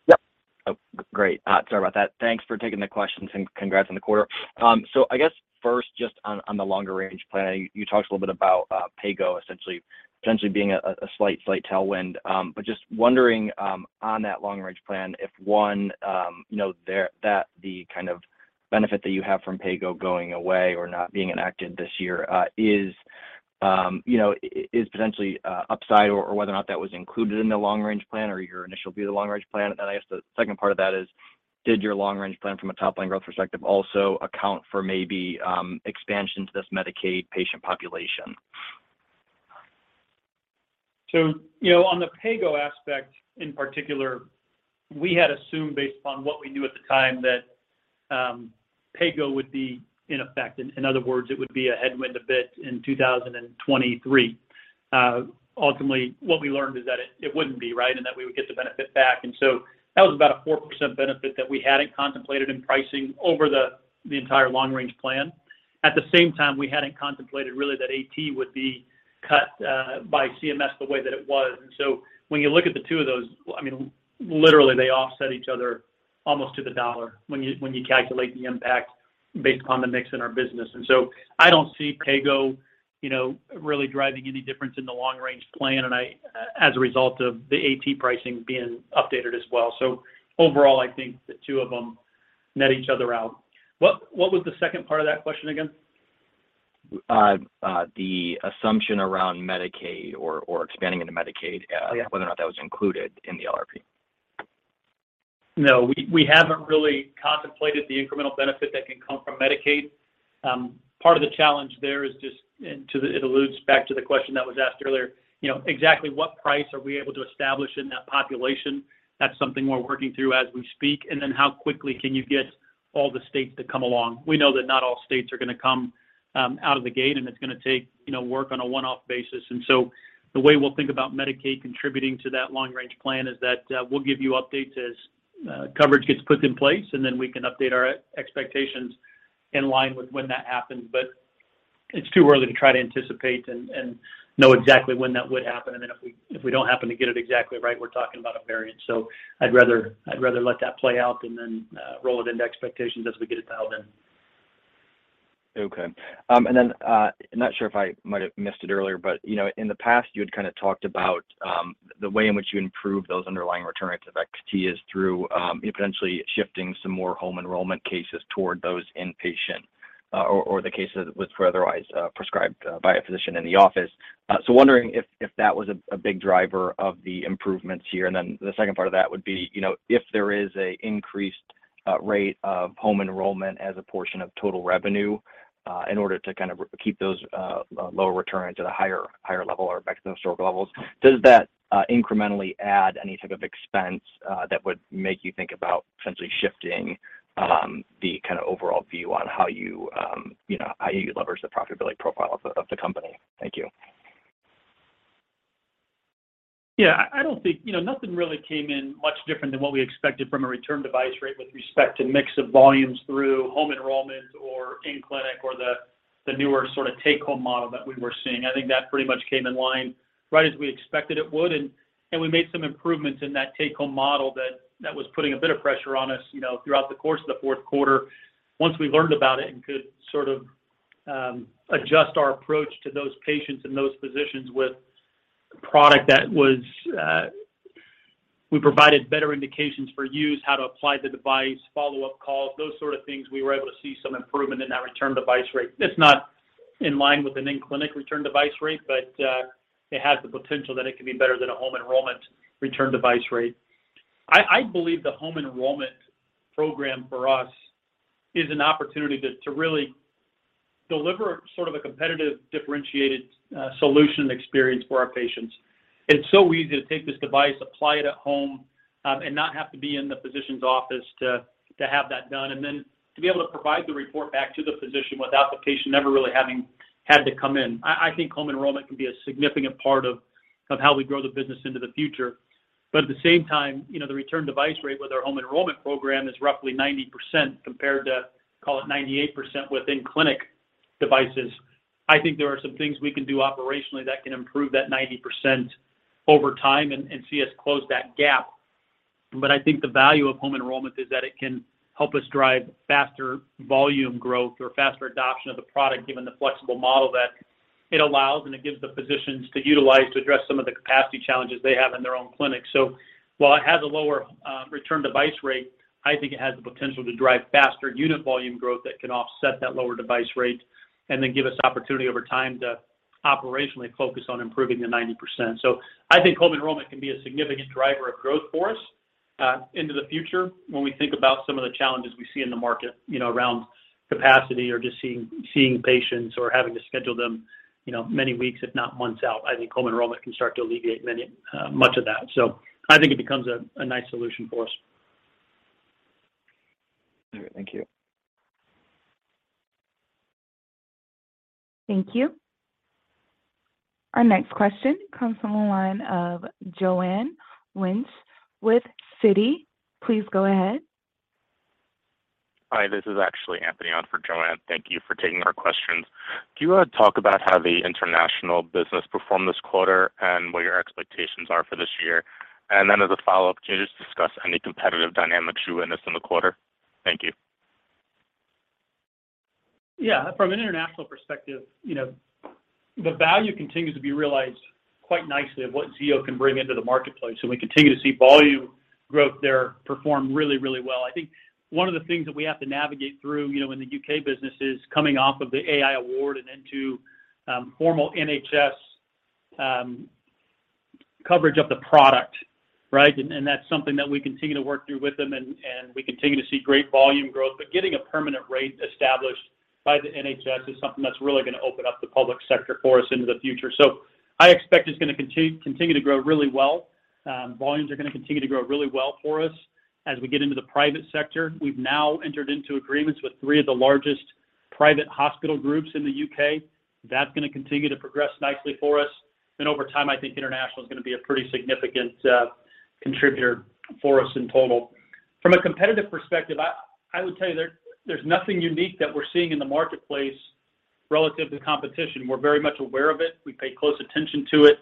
Yep. Oh, great. Sorry about that. Thanks for taking the questions, and congrats on the quarter. I guess first, just on the longer range plan, you talked a little bit about PAYGO essentially, potentially being a slight tailwind. Just wondering on that long range plan, if one, you know, that the kind of benefit that you have from PAYGO going away or not being enacted this year, is, you know, is potentially upside or whether or not that was included in the long range plan or your initial view of the long range plan. I guess the second part of that is, did your long range plan from a top-line growth perspective also account for maybe expansion to this Medicaid patient population? You know, on the PAYGO aspect in particular, we had assumed based upon what we knew at the time that PAYGO would be in effect. In other words, it would be a headwind a bit in 2023. Ultimately, what we learned is that it wouldn't be, right? That we would get the benefit back. That was about a 4% benefit that we hadn't contemplated in pricing over the entire long range plan. At the same time, we hadn't contemplated really that AT would be cut by CMS the way that it was. When you look at the two of those, I mean, literally, they offset each other almost to the dollar when you calculate the impact based upon the mix in our business. I don't see PAYGO, you know, really driving any difference in the long range plan, as a result of the AT pricing being updated as well. Overall, I think the two of them net each other out. What was the second part of that question again? The assumption around Medicaid or expanding into Medicaid. Yeah. whether or not that was included in the LRP. No. We haven't really contemplated the incremental benefit that can come from Medicaid. Part of the challenge there is just it alludes back to the question that was asked earlier. You know, exactly what price are we able to establish in that population? That's something we're working through as we speak. How quickly can you get all the states to come along? We know that not all states are gonna come out of the gate, and it's gonna take, you know, work on a one-off basis. The way we'll think about Medicaid contributing to that long range plan is that we'll give you updates as coverage gets put in place, and then we can update our expectations in line with when that happens. It's too early to try to anticipate and know exactly when that would happen. If we don't happen to get it exactly right, we're talking about a variance. I'd rather let that play out than then roll it into expectations as we get it dialed in. Okay. I'm not sure if I might have missed it earlier, but, you know, in the past you had kinda talked about, the way in which you improve those underlying return rates of Zio XT is through, potentially shifting some more home enrollment cases toward those inpatient, or the cases were otherwise prescribed by a physician in the office. Wondering if that was a big driver of the improvements here. The second part of that would be, you know, if there is a increased ... rate of home enrollment as a portion of total revenue, in order to kind of keep those, lower return to the higher level or back to historical levels. Does that, incrementally add any type of expense, that would make you think about potentially shifting, the kind of overall view on how you know, how you leverage the profitability profile of the company? Thank you. Yeah. I don't think. You know, nothing really came in much different than what we expected from a return device rate with respect to mix of volumes through home enrollment or in-clinic or the newer sort of take-home model that we were seeing. I think that pretty much came in line right as we expected it would. We made some improvements in that take-home model that was putting a bit of pressure on us, you know, throughout the course of the Q4. Once we learned about it and could sort of adjust our approach to those patients and those physicians with product that was. We provided better indications for use, how to apply the device, follow-up calls, those sort of things, we were able to see some improvement in that return device rate. It's not in line with an in-clinic return device rate, but it has the potential that it can be better than a home enrollment return device rate. I believe the home enrollment program for us is an opportunity to really deliver sort of a competitive, differentiated solution experience for our patients. It's so easy to take this device, apply it at home, and not have to be in the physician's office to have that done. Then to be able to provide the report back to the physician without the patient never really having had to come in. I think home enrollment can be a significant part of how we grow the business into the future. At the same time, you know, the return device rate with our home enrollment program is roughly 90% compared to, call it, 98% with in-clinic devices. I think there are some things we can do operationally that can improve that 90% over time and see us close that gap. I think the value of home enrollment is that it can help us drive faster volume growth or faster adoption of the product, given the flexible model that it allows and it gives the physicians to utilize to address some of the capacity challenges they have in their own clinic. While it has a lower return device rate, I think it has the potential to drive faster unit volume growth that can offset that lower device rate and then give us opportunity over time to operationally focus on improving the 90%. I think home enrollment can be a significant driver of growth for us into the future when we think about some of the challenges we see in the market, you know, around capacity or just seeing patients or having to schedule them, you know, many weeks, if not months out. I think home enrollment can start to alleviate much of that. I think it becomes a nice solution for us. All right. Thank you. Thank you. Our next question comes from the line of Joanne Wuensch with Citi. Please go ahead. Hi, this is actually Anthony on for Joanne. Thank you for taking our questions. Do you wanna talk about how the international business performed this quarter and what your expectations are for this year? As a follow-up, can you just discuss any competitive dynamics you witnessed in the quarter? Thank you. Yeah. From an international perspective, you know, the value continues to be realized quite nicely of what Zio can bring into the marketplace, and we continue to see volume growth there perform really, really well. I think one of the things that we have to navigate through, you know, in the U.K. business is coming off of the AI Award and into formal NHS coverage of the product, right? That's something that we continue to work through with them and we continue to see great volume growth. Getting a permanent rate established by the NHS is something that's really gonna open up the public sector for us into the future. I expect it's gonna continue to grow really well. Volumes are gonna continue to grow really well for us as we get into the private sector. We've now entered into agreements with 3 of the largest private hospital groups in the UK. That's gonna continue to progress nicely for us. Over time, I think international is gonna be a pretty significant contributor for us in total. From a competitive perspective, I would tell you there's nothing unique that we're seeing in the marketplace relative to competition. We're very much aware of it. We pay close attention to it.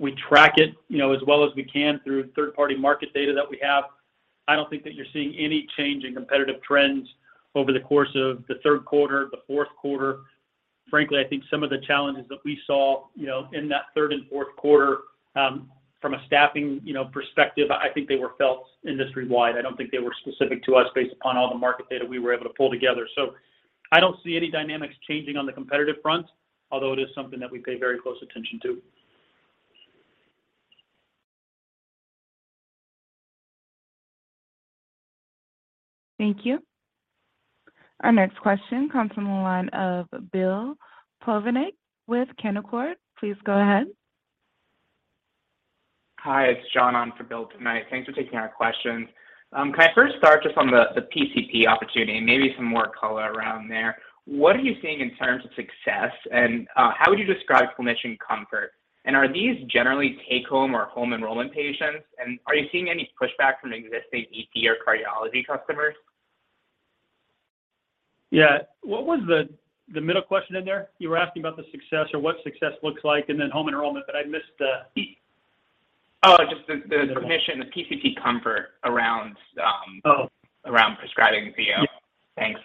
We track it, you know, as well as we can through third-party market data that we have. I don't think that you're seeing any change in competitive trends over the course of the Q3, the Q4. Frankly, I think some of the challenges that we saw, you know, in that third and Q4, from a staffing, you know, perspective, I think they were felt industry-wide. I don't think they were specific to us based upon all the market data we were able to pull together. I don't see any dynamics changing on the competitive front, although it is something that we pay very close attention to. Thank you. Our next question comes from the line of Bill Plovanic with Canaccord. Please go ahead. Hi, it's John on for Bill tonight. Thanks for taking our questions. Can I first start just on the PCP opportunity and maybe some more color around there? What are you seeing in terms of success, and how would you describe clinician comfort? Are these generally take-home or home enrollment patients? Are you seeing any pushback from existing EP or cardiology customers? Yeah. What was the middle question in there? You were asking about the success or what success looks like and then home enrollment, but I missed. Oh, just the clinician, the PCP comfort around. Oh around prescribing Zio. Yeah. Thanks.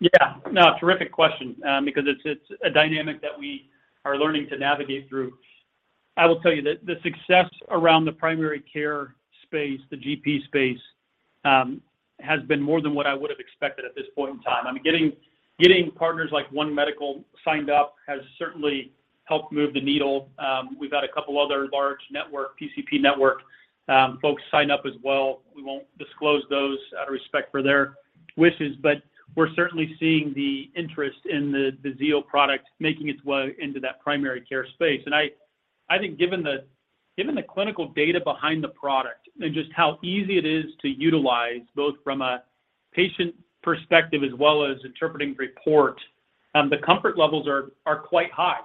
Yeah. No, terrific question, because it's a dynamic that we are learning to navigate through. I will tell you that the success around the primary care space, the GP space, has been more than what I would have expected at this point in time. I mean, getting partners like One Medical signed up has certainly help move the needle. We've had a couple other large network, PCP network, folks sign up as well. We won't disclose those out of respect for their wishes, but we're certainly seeing the interest in the Zio product making its way into that primary care space. I think given the clinical data behind the product and just how easy it is to utilize both from a patient perspective as well as interpreting report, the comfort levels are quite high.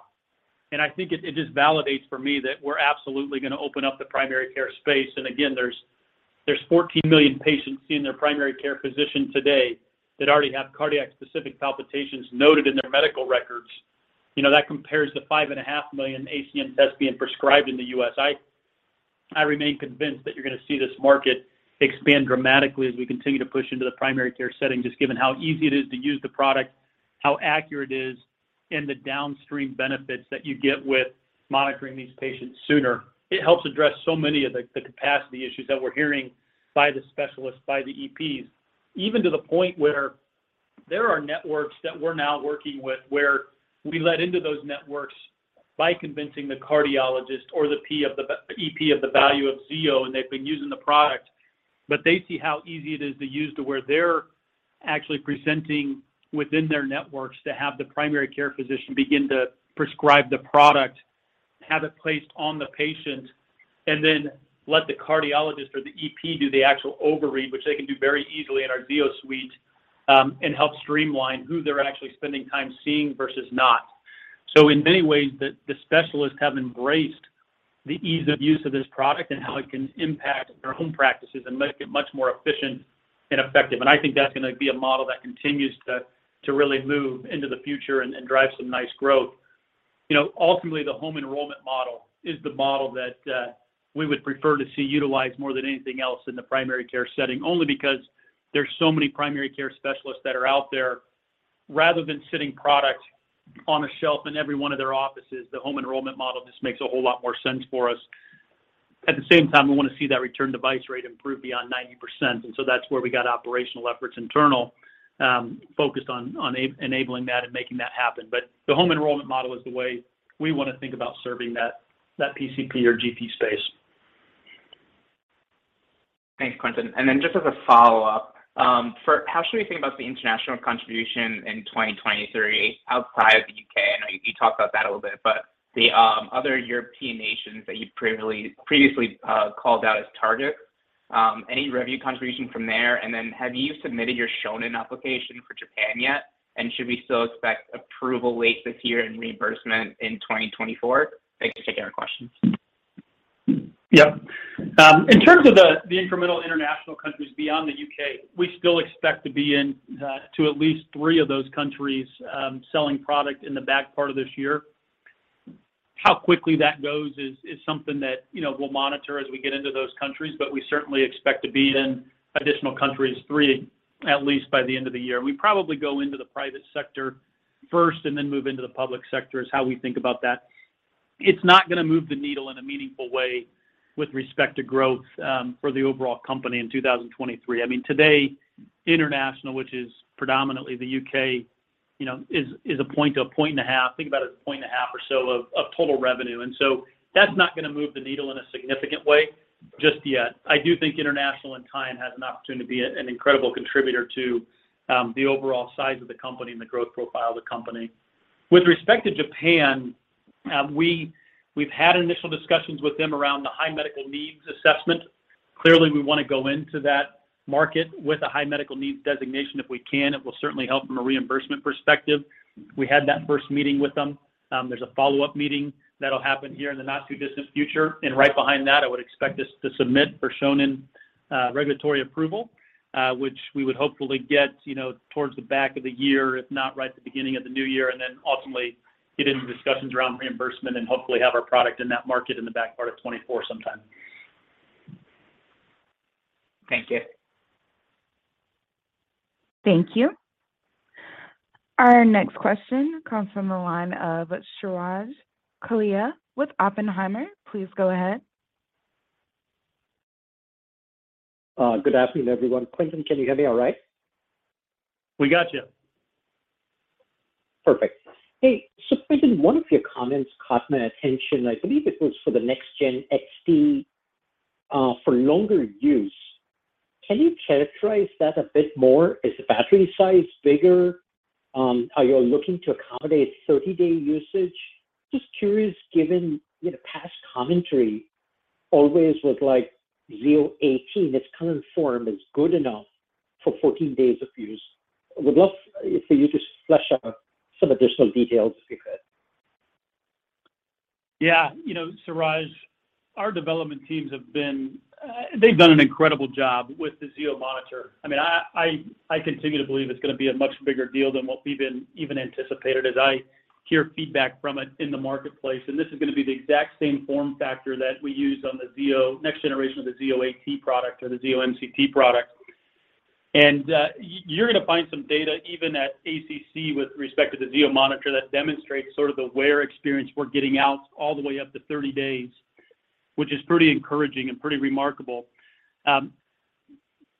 I think it just validates for me that we're absolutely gonna open up the primary care space. Again, there's 14 million patients seeing their primary care physician today that already have cardiac-specific palpitations noted in their medical records. You know, that compares to 5.5 million ACM tests being prescribed in the US. I remain convinced that you're gonna see this market expand dramatically as we continue to push into the primary care setting, just given how easy it is to use the product, how accurate it is, and the downstream benefits that you get with monitoring these patients sooner. It helps address so many of the capacity issues that we're hearing by the specialists, by the EPs, even to the point where there are networks that we're now working with where we let into those networks by convincing the cardiologist or the EP of the value of Zio, and they've been using the product. They see how easy it is to use to where they're actually presenting within their networks to have the primary care physician begin to prescribe the product, have it placed on the patient, and then let the cardiologist or the EP do the actual overread, which they can do very easily in our ZioSuite, and help streamline who they're actually spending time seeing versus not. In many ways, the specialists have embraced the ease of use of this product and how it can impact their own practices and make it much more efficient and effective. I think that's gonna be a model that continues to really move into the future and drive some nice growth. You know, ultimately, the home enrollment model is the model that we would prefer to see utilized more than anything else in the primary care setting, only because there's so many primary care specialists that are out there. Rather than sitting product on a shelf in every one of their offices, the home enrollment model just makes a whole lot more sense for us. At the same time, we wanna see that return device rate improve beyond 90%. That's where we got operational efforts internal, focused on enabling that and making that happen. The home enrollment model is the way we wanna think about serving that PCP or GP space. Thanks, Quentin. Just as a follow-up, how should we think about the international contribution in 2023 outside the UK? I know you talked about that a little bit, but the other European nations that you'd previously called out as targets, any revenue contribution from there? Have you submitted your Shonin application for Japan yet? Should we still expect approval late this year and reimbursement in 2024? Thanks for taking our questions. Yep. In terms of the incremental international countries beyond the UK, we still expect to be in at least three of those countries, selling product in the back part of this year. How quickly that goes is something that, you know, we'll monitor as we get into those countries. We certainly expect to be in additional countries, three at least, by the end of the year. We probably go into the private sector first and then move into the public sector is how we think about that. It's not gonna move the needle in a meaningful way with respect to growth for the overall company in 2023. I mean, today, international, which is predominantly the UK, you know, is 1%-1.5%. Think about it as 1.5 points or so of total revenue. That's not gonna move the needle in a significant way just yet. I do think international in time has an opportunity to be an incredible contributor to the overall size of the company and the growth profile of the company. With respect to Japan, we've had initial discussions with them around the high medical needs designation. Clearly, we wanna go into that market with a high medical needs designation if we can. It will certainly help from a reimbursement perspective. We had that first meeting with them. There's a follow-up meeting that'll happen here in the not-too-distant future. Right behind that, I would expect us to submit for Shonin regulatory approval, which we would hopefully get, you know, towards the back of the year, if not right at the beginning of the new year, and then ultimately get into discussions around reimbursement and hopefully have our product in that market in the back part of 2024 sometime. Thank you. Thank you. Our next question comes from the line of Suraj Kalia with Oppenheimer. Please go ahead. Good afternoon, everyone. Quentin, can you hear me all right? We got you. Perfect. Hey, Quentin, one of your comments caught my attention. I believe it was for the next gen Zio XT for longer use. Can you characterize that a bit more? Is the battery size bigger? Are you looking to accommodate 30-day usage? Just curious given, you know, past commentary always with like Zio AT, its current form is good enough for 14 days of use. Would love for you to flesh out some additional details if you could. Yeah. You know, Suraj, our development teams have been. They've done an incredible job with the Zio monitor. I mean, I continue to believe it's gonna be a much bigger deal than what we've been even anticipated as I hear feedback from it in the marketplace. This is gonna be the exact same form factor that we used on the Zio next generation of the Zio AT product or the Zio MCT product. You're gonna find some data even at ACC with respect to the Zio monitor that demonstrates sort of the wear experience we're getting out all the way up to 30 days, which is pretty encouraging and pretty remarkable.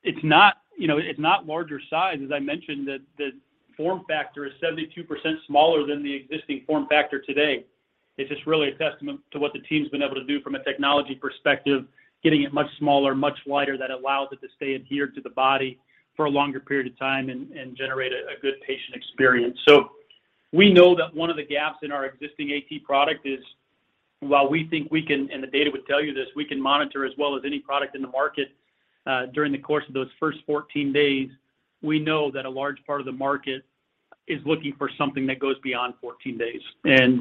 It's not, you know, it's not larger size. As I mentioned, the form factor is 72% smaller than the existing form factor today. It's just really a testament to what the team's been able to do from a technology perspective, getting it much smaller, much lighter, that allows it to stay adhered to the body for a longer period of time and generate a good patient experience. We know that one of the gaps in our existing AT product is while we think we can, and the data would tell you this, we can monitor as well as any product in the market, during the course of those first 14 days. We know that a large part of the market is looking for something that goes beyond 14 days.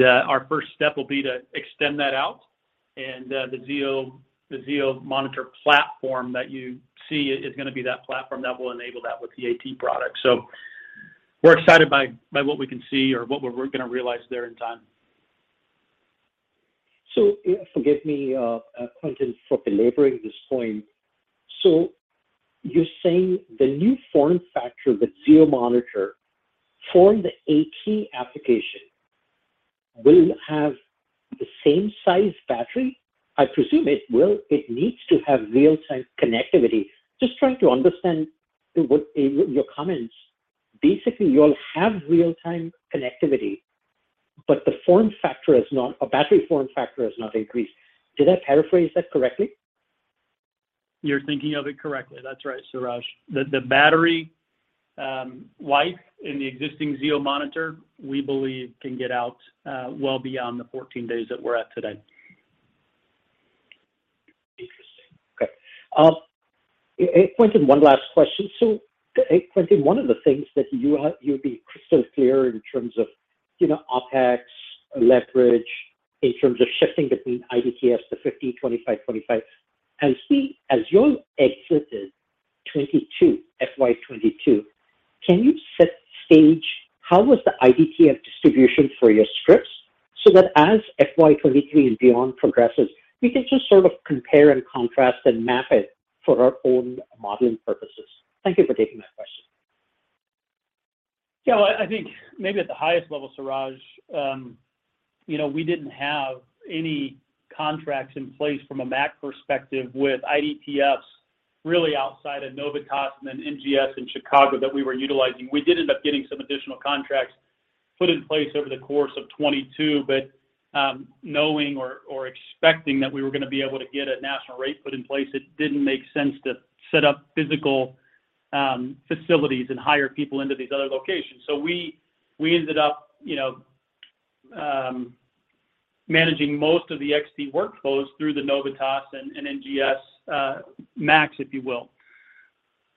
Our first step will be to extend that out and the Zio monitor platform that you see is gonna be that platform that will enable that with the AT product. We're excited by what we can see or what we're gonna realize there in time. Forgive me, Quentin, for belaboring this point. You're saying the new form factor, the Zio monitor for the AT application will have the same size battery? I presume it will. It needs to have real-time connectivity. Just trying to understand your comments. Basically, you'll have real-time connectivity, but the form factor or battery form factor has not increased. Did I paraphrase that correctly? You're thinking of it correctly. That's right, Suraj Kalia. The battery life in the existing Zio monitor, we believe can get out well beyond the 14 days that we're at today. Interesting. Okay. Quentin, one last question. Quentin, one of the things that you've been crystal clear in terms of, you know, OpEx, leverage, in terms of shifting between IDTFs to 15, 25. As you exited 2022, FY 2022, can you set stage, how was the IDTF distribution for your scripts so that as FY 2023 and beyond progresses, we can just sort of compare and contrast and map it for our own modeling purposes? Thank you for taking that question. Yeah. Well, I think maybe at the highest level, Suraj, you know, we didn't have any contracts in place from a MAC perspective with IDTFs really outside of Novitas and then NGS in Chicago that we were utilizing. We did end up getting some additional contracts put in place over the course of 2022. Knowing or expecting that we were going to be able to get a national rate put in place, it didn't make sense to set up physical facilities and hire people into these other locations. We ended up, you know, managing most of the XT workflows through the Novitas and NGS MACs, if you will.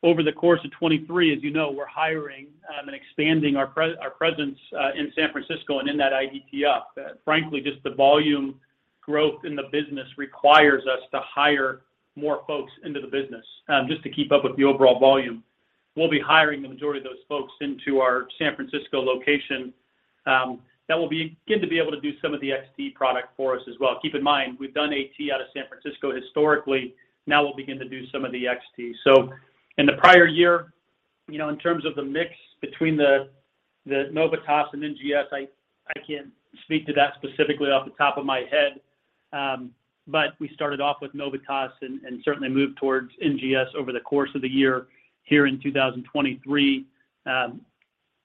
Over the course of 2023, as you know, we're hiring and expanding our presence in San Francisco and in that IDTF. Frankly, just the volume growth in the business requires us to hire more folks into the business, just to keep up with the overall volume. We'll be hiring the majority of those folks into our San Francisco location. That will begin to be able to do some of the XT product for us as well. Keep in mind, we've done AT out of San Francisco historically. Now we'll begin to do some of the XT. In the prior year, you know, in terms of the mix between the Novitas and NGS, I can't speak to that specifically off the top of my head. We started off with Novitas and certainly moved towards NGS over the course of the year here in 2023.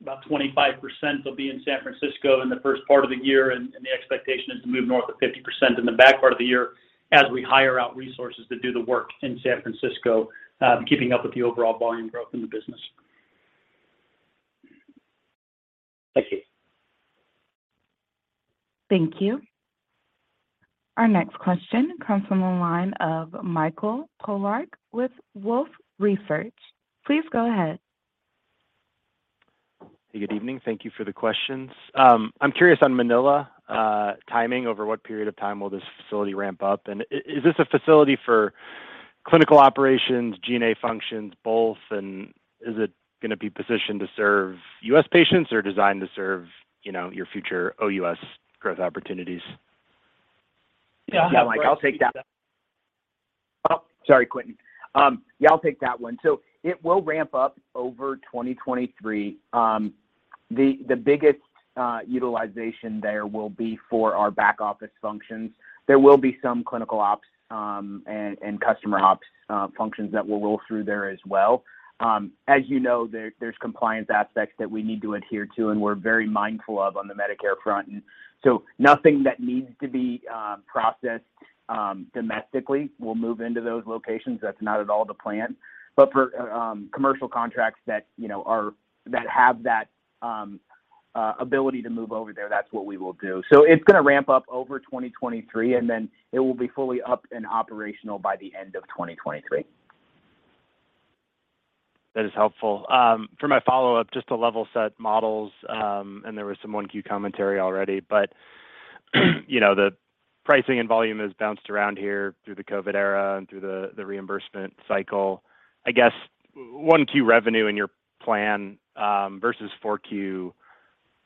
About 25% will be in San Francisco in the first part of the year, and the expectation is to move north of 50% in the back part of the year as we hire out resources to do the work in San Francisco, keeping up with the overall volume growth in the business. Thank you. Thank you. Our next question comes from the line of Michael Polark with Wolfe Research. Please go ahead. Good evening. Thank you for the questions. I'm curious on Manila timing. Over what period of time will this facility ramp up? Is this a facility for clinical operations, G&A functions, both? Is it gonna be positioned to serve US patients or designed to serve, you know, your future OUS growth opportunities? Yeah, Mike, I'll take that. Yeah, Mike, I'll take that. Sorry, Quentin. Yeah, I'll take that one. It will ramp up over 2023. The biggest utilization there will be for our back office functions. There will be some clinical ops and customer ops functions that we'll roll through there as well. As you know, there's compliance aspects that we need to adhere to and we're very mindful of on the Medicare front. Nothing that needs to be processed domestically will move into those locations. That's not at all the plan. For commercial contracts that, you know, that have that ability to move over there, that's what we will do. It's gonna ramp up over 2023, and then it will be fully up and operational by the end of 2023. That is helpful. For my follow-up, just to level set models, there was some 1Q commentary already, but you know, the pricing and volume has bounced around here through the COVID era and through the reimbursement cycle. I guess 1Q revenue in your plan versus 4Q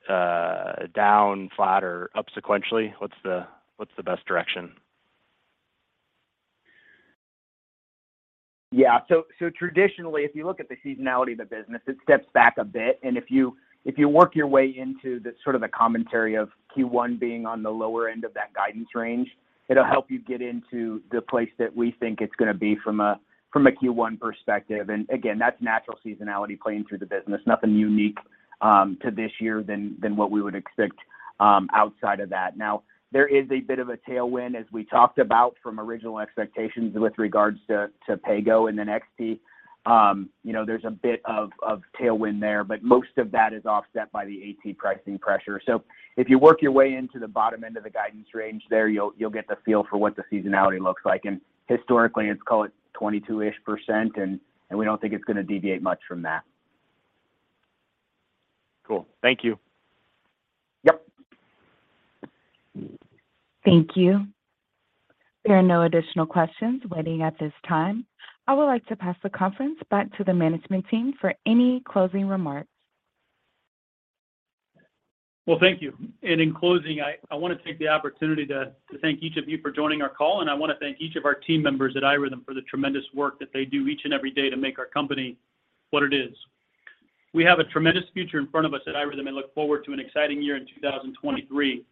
down, flat, or up sequentially, what's the best direction? Traditionally, if you look at the seasonality of the business, it steps back a bit. If you work your way into the sort of the commentary of Q1 being on the lower end of that guidance range, it'll help you get into the place that we think it's gonna be from a Q1 perspective. Again, that's natural seasonality playing through the business. Nothing unique to this year than what we would expect outside of that. There is a bit of a tailwind, as we talked about from original expectations with regards to PAYGO and then XT. you know, there's a bit of tailwind there, but most of that is offset by the AT pricing pressure. If you work your way into the bottom end of the guidance range there, you'll get the feel for what the seasonality looks like. Historically, it's call it 22-ish percent, and we don't think it's gonna deviate much from that. Cool. Thank you. Yep. Thank you. There are no additional questions waiting at this time. I would like to pass the conference back to the management team for any closing remarks. Well, thank you. In closing, I want to take the opportunity to thank each of you for joining our call, and I want to thank each of our team members at iRhythm for the tremendous work that they do each and every day to make our company what it is. We have a tremendous future in front of us at iRhythm and look forward to an exciting year in 2023.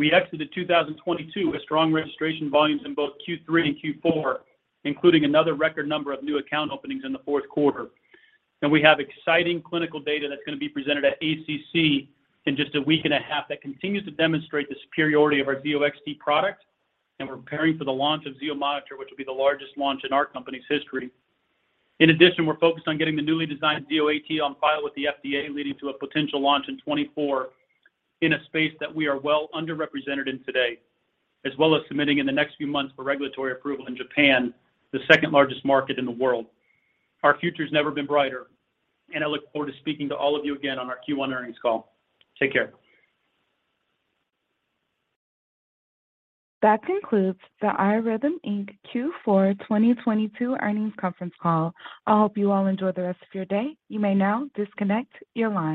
We exited 2022 with strong registration volumes in both Q3 and Q4, including another record number of new account openings in the Q4. We have exciting clinical data that's going to be presented at ACC in just a week and a half that continues to demonstrate the superiority of our Zio XT product. We're preparing for the launch of Zio Monitor, which will be the largest launch in our company's history. In addition, we're focused on getting the newly designed Zio AT on file with the FDA, leading to a potential launch in 2024 in a space that we are well underrepresented in today, as well as submitting in the next few months for regulatory approval in Japan, the second-largest market in the world. Our future's never been brighter. I look forward to speaking to all of you again on our Q1 earnings call. Take care. That concludes the iRhythm Inc. Q4 2022 earnings conference call. I hope you all enjoy the rest of your day. You may now disconnect your line.